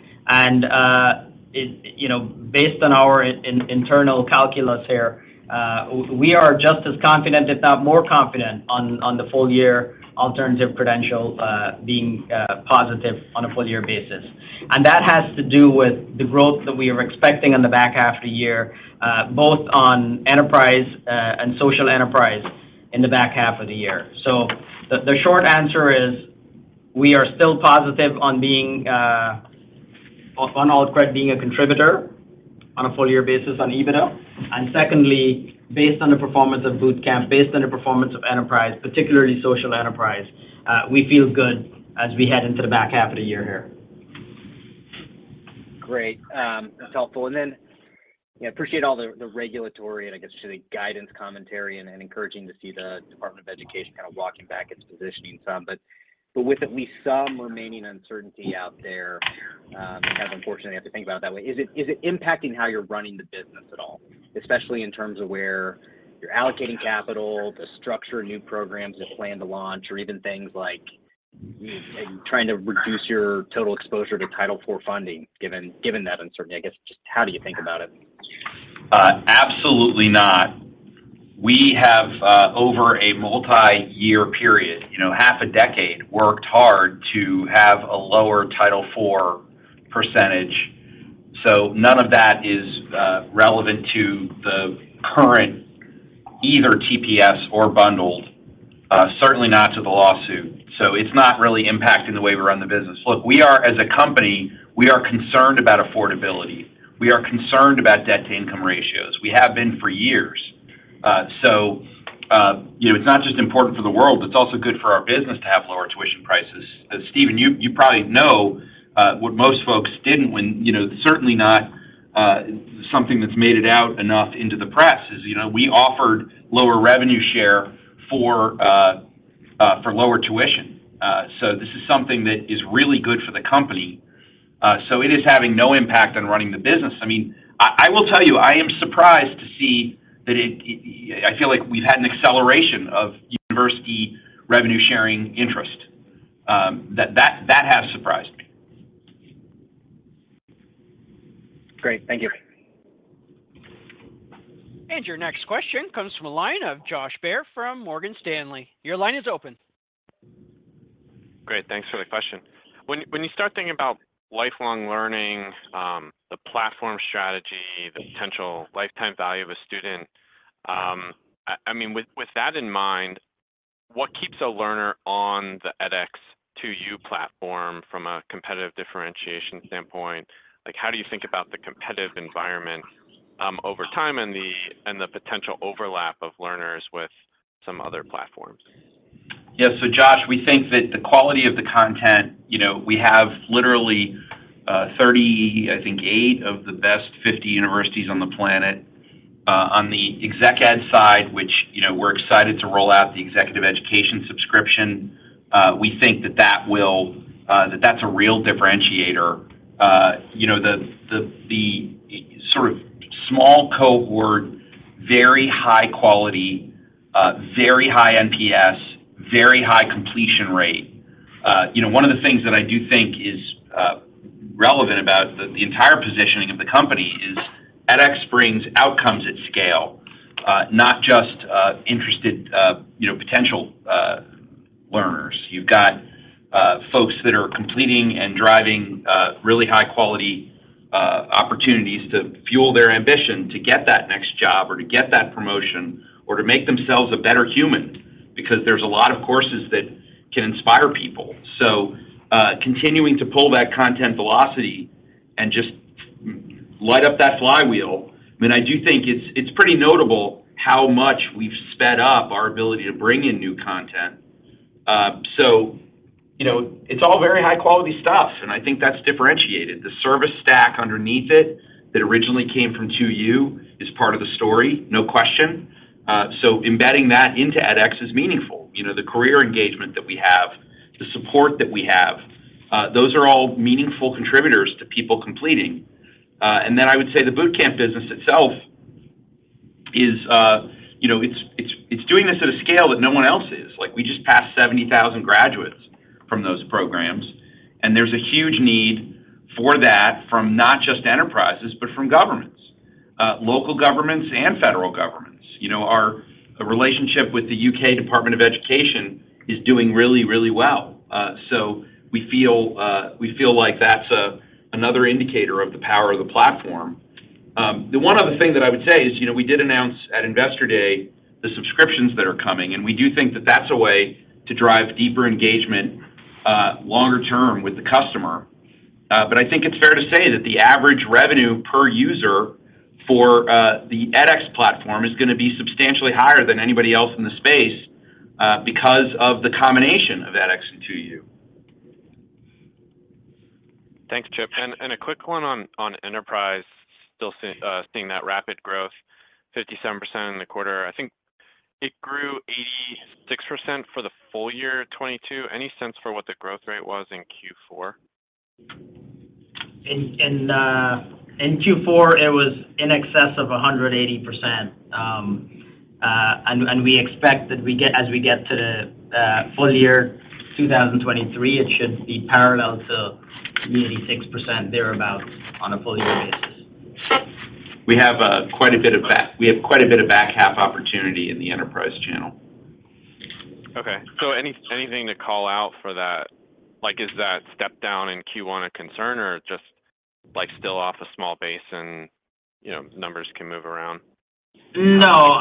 You know, based on our internal calculus here, we are just as confident, if not more confident on the full year Alternative Credential, being positive on a full year basis. That has to do with the growth that we are expecting on the back half of the year, both on enterprise and social enterprise in the back half of the year. The short answer is we are still positive on being on Alt Cred being a contributor on a full year basis on EBITDA. Secondly, based on the performance of boot camps, based on the performance of enterprise, particularly social enterprise, we feel good as we head into the back half of the year here. Great. That's helpful. Appreciate all the regulatory and I guess just the guidance commentary and encouraging to see the Department of Education kind of walking back its positioning some. But with at least some remaining uncertainty out there, you kind of unfortunately have to think about it that way. Is it, is it impacting how you're running the business at all? Especially in terms of where you're allocating capital, the structure of new programs you plan to launch, or even things like trying to reduce your total exposure to Title IV funding given that uncertainty. I guess just how do you think about it? Absolutely not. We have, over a multi-year period, you know, half a decade, worked hard to have a lower Title IV percentage, none of that is relevant to the current either TPS or bundled. Certainly not to the lawsuit, it's not really impacting the way we run the business. Look, as a company, we are concerned about affordability. We are concerned about debt-to-income ratios. We have been for years. You know, it's not just important for the world, but it's also good for our business to have lower tuition prices. As Steven, you probably know, what most folks didn't when, you know, certainly not something that's made it out enough into the press is, you know, we offered lower revenue share for lower tuition. This is something that is really good for the company. It is having no impact on running the business. I mean, I will tell you, I am surprised to see I feel like we've had an acceleration of university revenue sharing interest. That has surprised me. Great. Thank you. Your next question comes from a line of Josh Baer from Morgan Stanley. Your line is open. Great. Thanks for the question. When you start thinking about lifelong learning, the platform strategy, the potential lifetime value of a student, I mean, with that in mind, what keeps a learner on the edX 2U platform from a competitive differentiation standpoint? Like, how do you think about the competitive environment over time and the potential overlap of learners with some other platforms? Yes. Josh, we think that the quality of the content, you know, we have literally 30, I think 8 of the best 50 universities on the planet on the exec ed side, which, you know, we're excited to roll out the executive education subscription. We think that that's a real differentiator. You know, the sort of small cohort, very high quality, very high NPS, very high completion rate. You know, one of the things that I do think is relevant about the entire positioning of the company is edX brings outcomes at scale, not just interested, you know, potential learners. You've got folks that are completing and driving really high quality opportunities to fuel their ambition to get that next job or to get that promotion or to make themselves a better human because there's a lot of courses that can inspire people. Continuing to pull that content velocity and just light up that flywheel. I mean, I do think it's pretty notable how much we've sped up our ability to bring in new content. You know, it's all very high quality stuff, and I think that's differentiated. The service stack underneath it that originally came from 2U is part of the story, no question. Embedding that into edX is meaningful. You know, the career engagement that we have, the support that we have, those are all meaningful contributors to people completing.I would say the boot camp business itself is, you know, it's doing this at a scale that no one else is. We just passed 70,000 graduates from those programs, and there's a huge need for that from not just enterprises, but from governments, local governments and federal governments. Our relationship with the U.K. Department for Education is doing really, really well. We feel, we feel like that's another indicator of the power of the platform. The one other thing that I would say is, you know, we did announce at Investor Day the subscriptions that are coming, and we do think that that's a way to drive deeper engagement, longer term with the customer.I think it's fair to say that the average revenue per user for the edX platform is gonna be substantially higher than anybody else in the space, because of the combination of edX and 2U. Thanks, Chip. A quick one on enterprise. Still seeing that rapid growth, 57% in the quarter. I think it grew 86% for the full year 2022. Any sense for what the growth rate was in Q4? In Q4, it was in excess of 180%. We expect that as we get to the full year 2023, it should be parallel to maybe 6% thereabout on a full year basis. We have quite a bit of back half opportunity in the enterprise channel. Okay. Anything to call out for that? Like, is that step down in Q1 a concern or just like still off a small base and, you know, numbers can move around? No.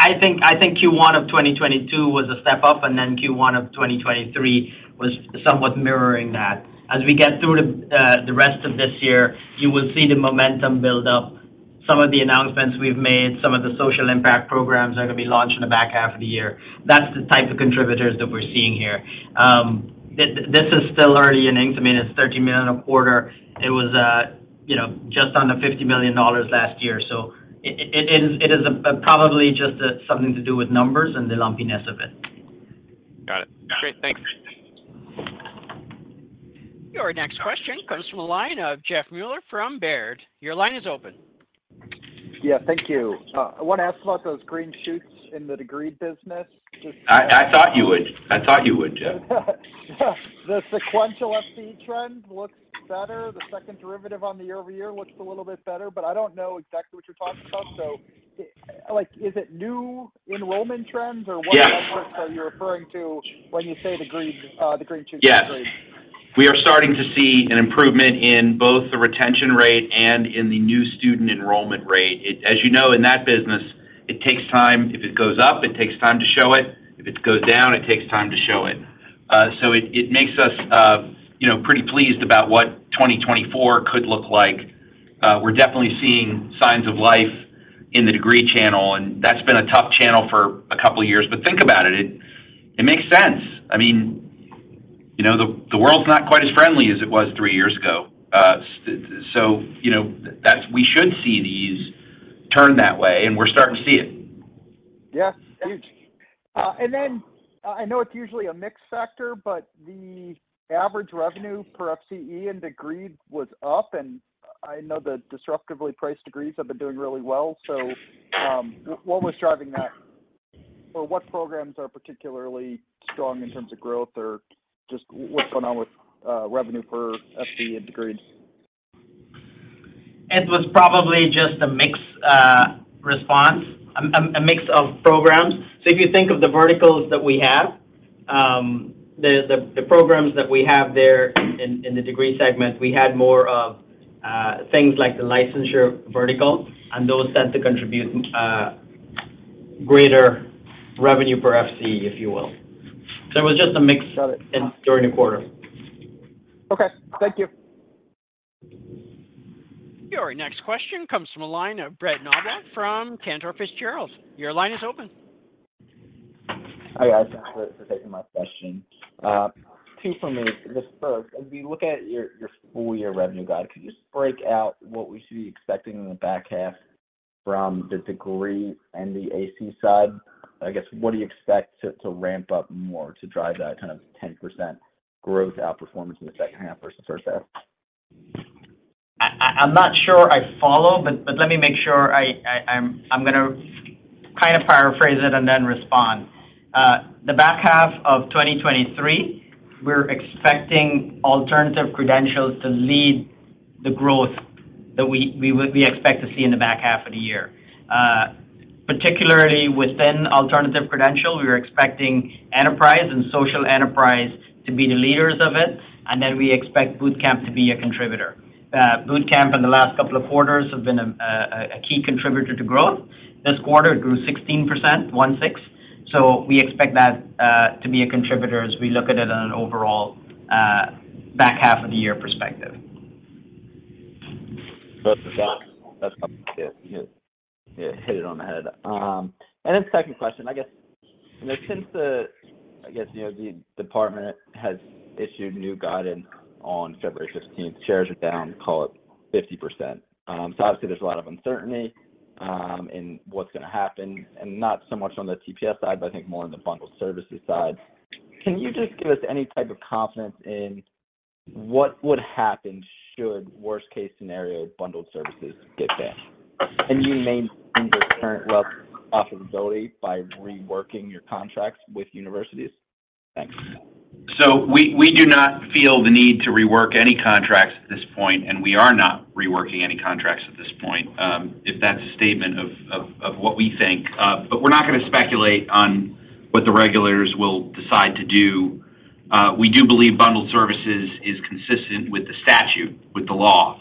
I think Q1 of 2022 was a step up, then Q1 of 2023 was somewhat mirroring that. As we get through the rest of this year, you will see the momentum build up. Some of the announcements we've made, some of the social impact programs are gonna be launched in the back half of the year. That's the type of contributors that we're seeing here. This is still early innings. I mean, it's $30 million a quarter. It was, you know, just under $50 million last year. It is probably just something to do with numbers and the lumpiness of it. Got it. Great. Thanks. Your next question comes from a line of Jeff Meuler from Baird. Your line is open. Yeah. Thank you. I want to ask about those green shoots in the degree business. I thought you would. I thought you would, Jeff. The sequential FCE trend looks better. The second derivative on the year-over-year looks a little bit better, but I don't know exactly what you're talking about. Like, is it new enrollment trends? Yes. What metrics are you referring to when you say the green shoots in degrees? Yes. We are starting to see an improvement in both the retention rate and in the new student enrollment rate. As you know, in that business, it takes time. If it goes up, it takes time to show it. If it goes down, it takes time to show it. It, it makes us, you know, pretty pleased about what 2024 could look like. We're definitely seeing signs of life in the degree channel, and that's been a tough channel for a couple of years. Think about it, it makes sense. I mean, you know, the world's not quite as friendly as it was 3 years ago. You know, we should see these turn that way, and we're starting to see it. Yeah. Huge. I know it's usually a mixed factor, the average revenue per FCE in degree was up. I know the disruptively priced degrees have been doing really well. What was driving that? What programs are particularly strong in terms of growth or just what's going on with revenue per FCE and degrees? It was probably just a mix response, a mix of programs. If you think of the verticals that we have, the programs that we have there in the degree segment, we had more of things like the licensure vertical, and those tend to contribute greater revenue per FCE, if you will. It was just a mix during the quarter. Okay. Thank you. Your next question comes from a line of Brett Knoblauch from Cantor Fitzgerald. Your line is open. Hi, guys. Thanks for taking my question. Two for me. Just first, as we look at your full year revenue guide, could you just break out what we should be expecting in the back half from the degree and the AC side? I guess, what do you expect to ramp up more to drive that kind of 10% growth outperformance in the second half versus first half? I'm not sure I follow, but let me make sure. I'm gonna kind of paraphrase it and then respond. The back half of 2023, we're expecting Alternative Credentials to lead the growth that we expect to see in the back half of the year. Particularly within Alternative Credential, we're expecting enterprise and social enterprise to be the leaders of it, and then we expect boot camp to be a contributor. boot camp in the last couple of quarters have been a key contributor to growth. This quarter, it grew 16%. we expect that to be a contributor as we look at it on an overall back half of the year perspective. That's, yeah. Yeah, hit it on the head. Second question, I guess, you know, since the, you know, the Department has issued new guidance on February 15th, shares are down, call it 50%. Obviously there's a lot of uncertainty in what's gonna happen, and not so much on the TPS side, but I think more on the bundled services side. Can you just give us any type of confidence in what would happen should worst case scenario bundled services get banned? Can you maintain your current revenue profitability by reworking your contracts with universities? Thanks. We do not feel the need to rework any contracts at this point, and we are not reworking any contracts at this point if that's a statement of what we think. We're not gonna speculate on what the regulators will decide to do. We do believe bundled services is consistent with the statute, with the law,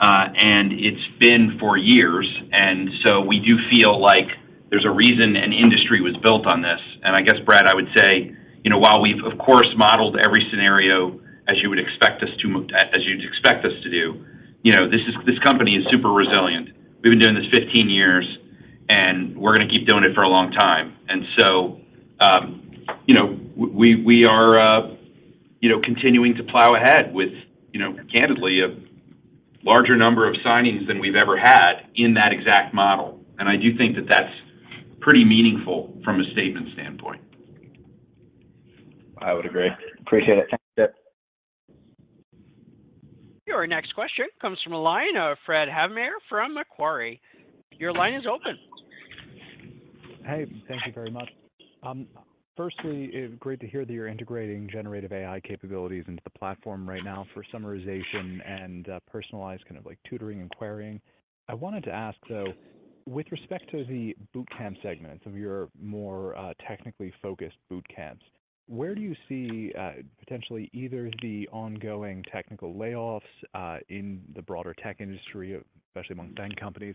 and it's been for years. We do feel like there's a reason an industry was built on this. I guess, Brad, I would say, you know, while we've of course modeled every scenario as you would expect us to do, you know, this company is super resilient. We've been doing this 15 years, and we're gonna keep doing it for a long time. You know, we are, you know, continuing to plow ahead with, you know, candidly a larger number of signings than we've ever had in that exact model. I do think that that's pretty meaningful from a statement standpoint. I would agree. Appreciate it. Thanks, guys. Your next question comes from a line of Fred Havemeyer from Macquarie. Your line is open. Hey, thank you very much. Firstly, great to hear that you're integrating generative AI capabilities into the platform right now for summarization and personalized kind of like tutoring and querying. I wanted to ask, though, with respect to the boot camp segments of your more technically focused boot camps, where do you see potentially either the ongoing technical layoffs in the broader tech industry, especially among bank companies,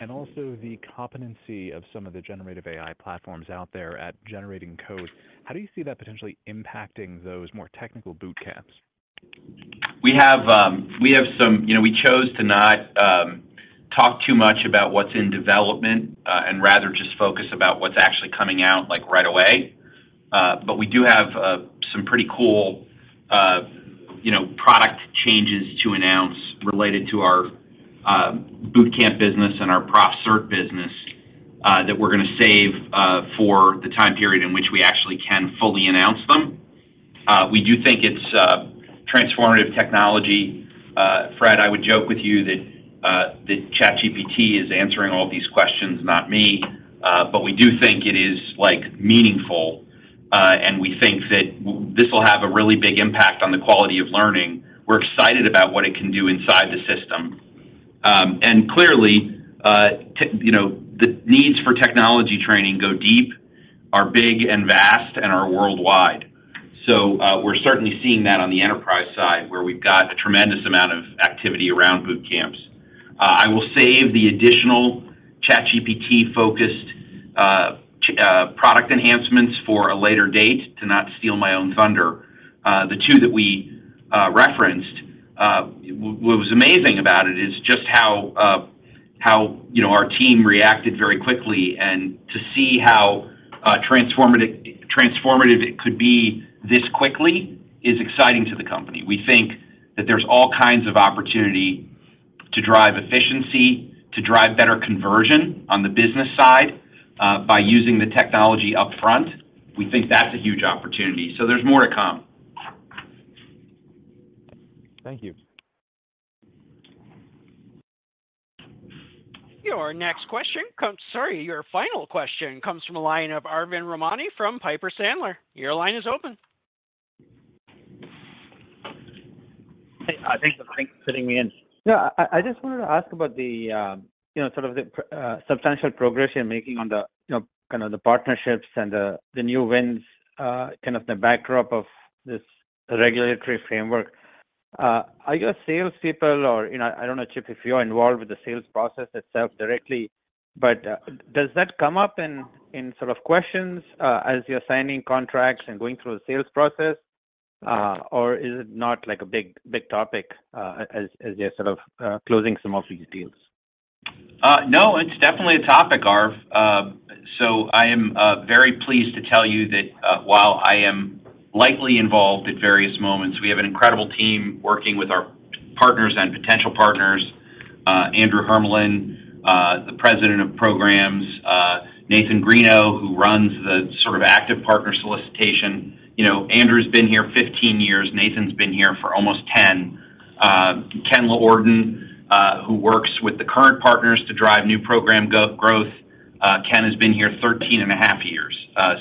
and also the competency of some of the generative AI platforms out there at generating code? How do you see that potentially impacting those more technical boot camps? We have, you know, we chose to not talk too much about what's in development, rather just focus about what's actually coming out, like, right away. We do have some pretty cool, you know, product changes to announce related to our boot camp business and our prof cert business that we're gonna save for the time period in which we actually can fully announce them. We do think it's transformative technology. Fred, I would joke with you that ChatGPT is answering all these questions, not me. We do think it is, like, meaningful, we think that this will have a really big impact on the quality of learning. We're excited about what it can do inside the system. Clearly, you know, the needs for technology training go deep, are big and vast, and are worldwide. We're certainly seeing that on the enterprise side, where we've got a tremendous amount of activity around boot camps. I will save the additional ChatGPT-focused product enhancements for a later date to not steal my own thunder. The two that we referenced, what was amazing about it is just how, you know, our team reacted very quickly and to see how transformative it could be this quickly is exciting to the company. We think that there's all kinds of opportunity to drive efficiency, to drive better conversion on the business side, by using the technology upfront. We think that's a huge opportunity. There's more to come. Thank you. Sorry, your final question comes from a line of Arvind Ramnani from Piper Sandler. Your line is open. Hey, thanks for fitting me in. No, I just wanted to ask about the, you know, sort of the, substantial progression you're making on the, you know, kinda the partnerships and the new wins, kind of the backdrop of this regulatory framework. Are your salespeople or, you know, I don't know, Chip, if you're involved with the sales process itself directly, but, does that come up in sort of questions, as you're signing contracts and going through the sales process? Is it not, like, a big, big topic, as you're sort of, closing some of these deals? No, it's definitely a topic, Arv. I am very pleased to tell you that while I am lightly involved at various moments, we have an incredible team working with our partners and potential partners. Andrew Hermelin, the President of Programs, Nathan Greeno, who runs the sort of active partner solicitation. You know, Andrew's been here 15 years, Nathan's been here for almost 10. Ken Lordin, who works with the current partners to drive new program go-growth. Ken has been here 13 and a half years.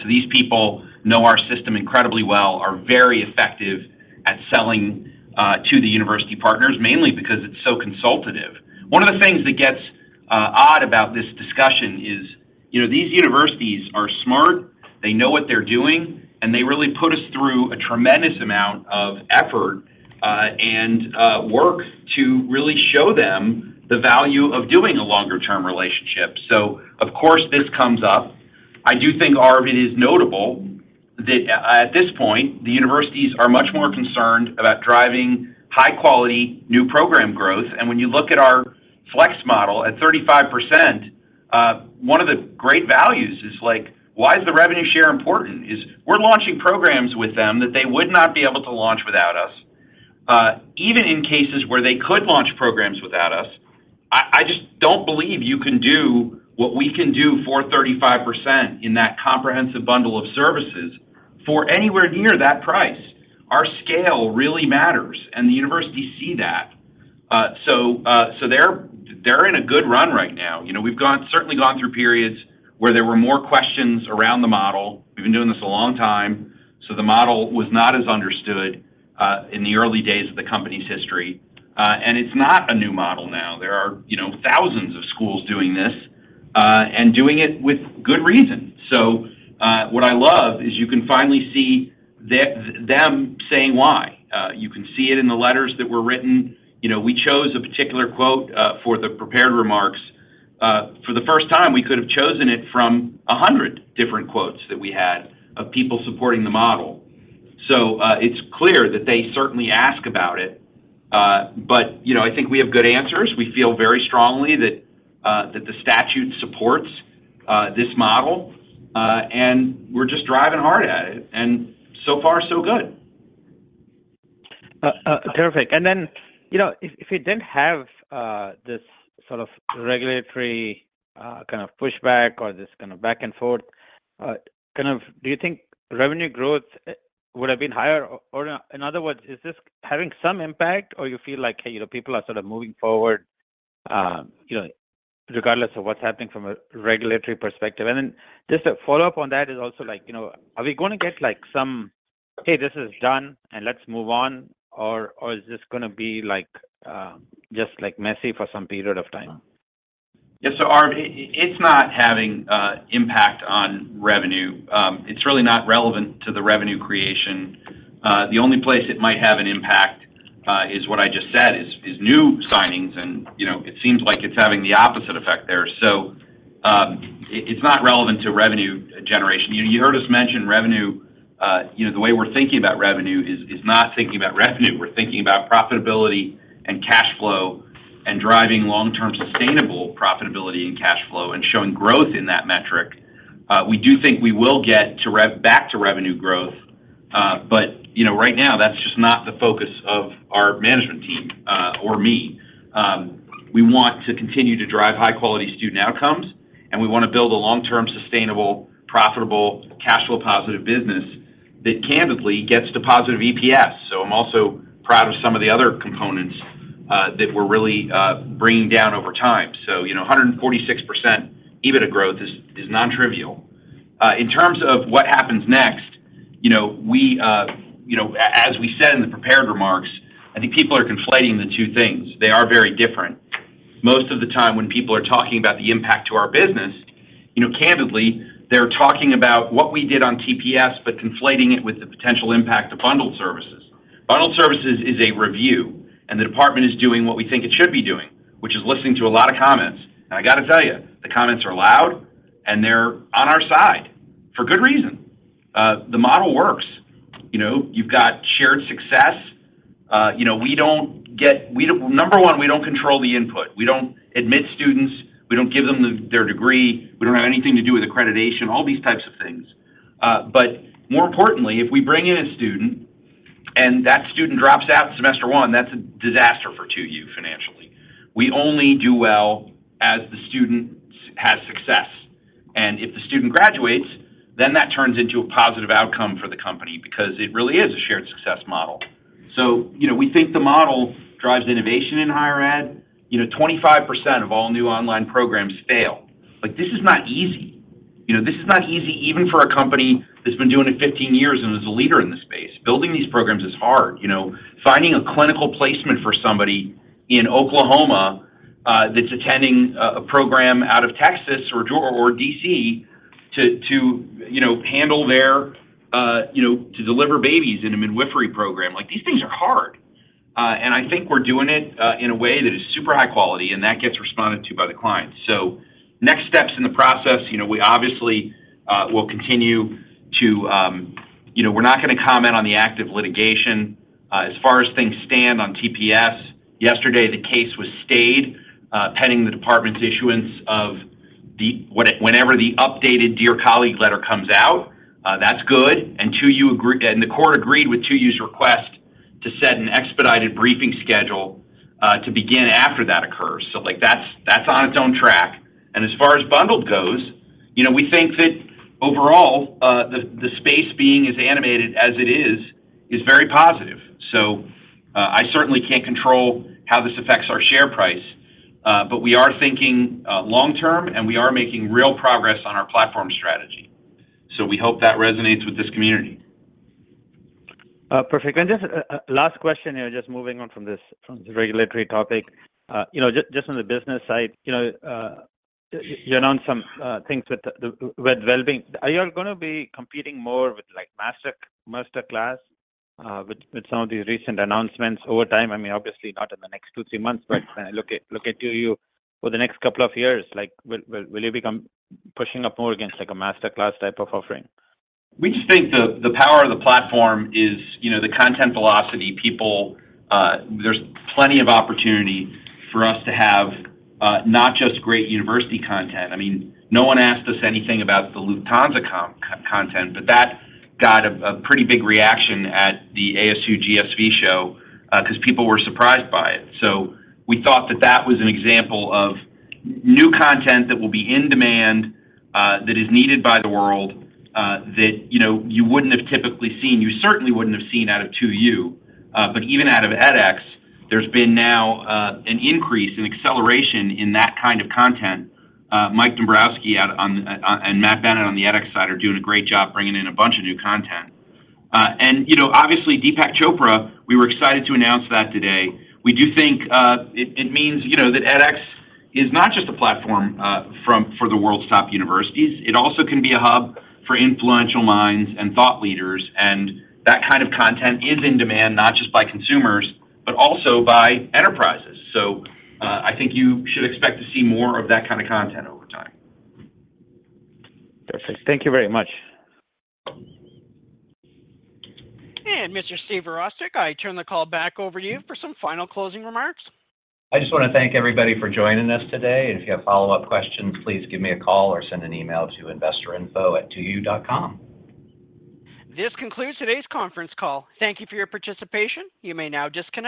These people know our system incredibly well, are very effective at selling to the university partners, mainly because it's so consultative. One of the things that gets odd about this discussion is, you know, these universities are smart, they know what they're doing, and they really put us through a tremendous amount of effort and work to really show them the value of doing a longer-term relationship. Of course, this comes up. I do think, Arv, it is notable that at this point, the universities are much more concerned about driving high quality new program growth. When you look at our flex model at 35%, one of the great values is like, why is the revenue share important? Is we're launching programs with them that they would not be able to launch without us. Even in cases where they could launch programs without us, I just don't believe you can do what we can do for 35% in that comprehensive bundle of services for anywhere near that price. Our scale really matters, and the universities see that. They're, they're in a good run right now. You know, we've certainly gone through periods where there were more questions around the model. We've been doing this a long time, so the model was not as understood in the early days of the company's history. It's not a new model now. There are, you know, thousands of schools doing this, and doing it with good reason. What I love is you can finally see them saying why. You can see it in the letters that were written. You know, we chose a particular quote for the prepared remarks. For the first time, we could have chosen it from 100 different quotes that we had of people supporting the model. It's clear that they certainly ask about it. But you know, I think we have good answers. We feel very strongly that the statute supports this model, and we're just driving hard at it. So far so good. Terrific. You know, if you didn't have this sort of regulatory kind of pushback or this kind of back and forth, kind of do you think revenue growth would have been higher? In other words, is this having some impact or you feel like, hey, you know, people are sort of moving forward, you know, regardless of what's happening from a regulatory perspective? Just a follow-up on that is also like, you know, are we gonna get like some, "Hey, this is done, and let's move on," or is this gonna be like just like messy for some period of time? Yeah. Arv, it's not having impact on revenue. It's really not relevant to the revenue creation. The only place it might have an impact is what I just said, is new signings and, you know, it seems like it's having the opposite effect there. It's not relevant to revenue generation. You heard us mention revenue. You know, the way we're thinking about revenue is not thinking about revenue. We're thinking about profitability and cash flow and driving long-term sustainable profitability and cash flow and showing growth in that metric. We do think we will get back to revenue growth, but you know, right now, that's just not the focus of our management team or me. We want to continue to drive high-quality student outcomes, and we wanna build a long-term sustainable, profitable, cash flow positive business that candidly gets to positive EPS. I'm also proud of some of the other components that we're really bringing down over time. You know, 146% EBITDA growth is non-trivial. In terms of what happens next, you know, we, you know, as we said in the prepared remarks, I think people are conflating the two things. They are very different. Most of the time when people are talking about the impact to our business, you know, candidly, they're talking about what we did on TPS, but conflating it with the potential impact of bundled services. Bundled services is a review. The Department is doing what we think it should be doing, which is listening to a lot of comments. I gotta tell you, the comments are loud, and they're on our side for good reason. The model works. You know, you've got shared success. You know, we don't control the input. We don't admit students. We don't give them their degree. We don't have anything to do with accreditation, all these types of things. More importantly, if we bring in a student and that student drops out in semester one, that's a disaster for 2U. We only do well as the student has success. If the student graduates, then that turns into a positive outcome for the company because it really is a shared success model. You know, we think the model drives innovation in higher ed. You know, 25% of all new online programs fail. Like, this is not easy. You know, this is not easy even for a company that's been doing it 15 years and is a leader in the space. Building these programs is hard. You know, finding a clinical placement for somebody in Oklahoma that's attending a program out of Texas or D.C. to, you know, handle their, you know, to deliver babies in a midwifery program. Like, these things are hard. And I think we're doing it in a way that is super high quality, and that gets responded to by the clients. Next steps in the process, you know, we obviously will continue to. You know, we're not gonna comment on the active litigation. As far as things stand on TPS, yesterday the case was stayed, pending the Department's issuance of the whenever the updated Dear Colleague Letter comes out. That's good. The court agreed with 2U's request to set an expedited briefing schedule to begin after that occurs. Like, that's on its own track. As far as Bundled goes, you know, we think that overall, the space being as animated as it is very positive. I certainly can't control how this affects our share price, but we are thinking long term, and we are making real progress on our platform strategy. We hope that resonates with this community. Perfect. Just a last question here, just moving on from this, from the regulatory topic. You know, just on the business side, you know, you announced some things with the Wellbeing. Are you gonna be competing more with, like, Masterclass, with some of the recent announcements over time? I mean, obviously not in the next 2, 3 months, but when I look at 2U for the next couple of years, like, will you become pushing up more against like a Masterclass type of offering? We just think the power of the platform is, you know, the content velocity. There's plenty of opportunity for us to have not just great university content. I mean, no one asked us anything about the Lufthansa content, but that got a pretty big reaction at the ASU+GSV show 'cause people were surprised by it. We thought that that was an example of new content that will be in demand that is needed by the world that, you know, you wouldn't have typically seen. You certainly wouldn't have seen out of 2U. Even out of edX, there's been now an increase, an acceleration in that kind of content. Mike Dombrowski and Matt Bennett on the edX side are doing a great job bringing in a bunch of new content. You know, obviously Deepak Chopra, we were excited to announce that today. We do think it means, you know, that edX is not just a platform for the world's top universities. It also can be a hub for influential minds and thought leaders, and that kind of content is in demand not just by consumers, but also by enterprises. I think you should expect to see more of that kind of content over time. Perfect. Thank you very much. Mr. Steve Virostek, I turn the call back over to you for some final closing remarks. I just wanna thank everybody for joining us today, and if you have follow-up questions, please give me a call or send an email to investorinfo@2u.com. This concludes today's conference call. Thank you for your participation. You may now disconnect.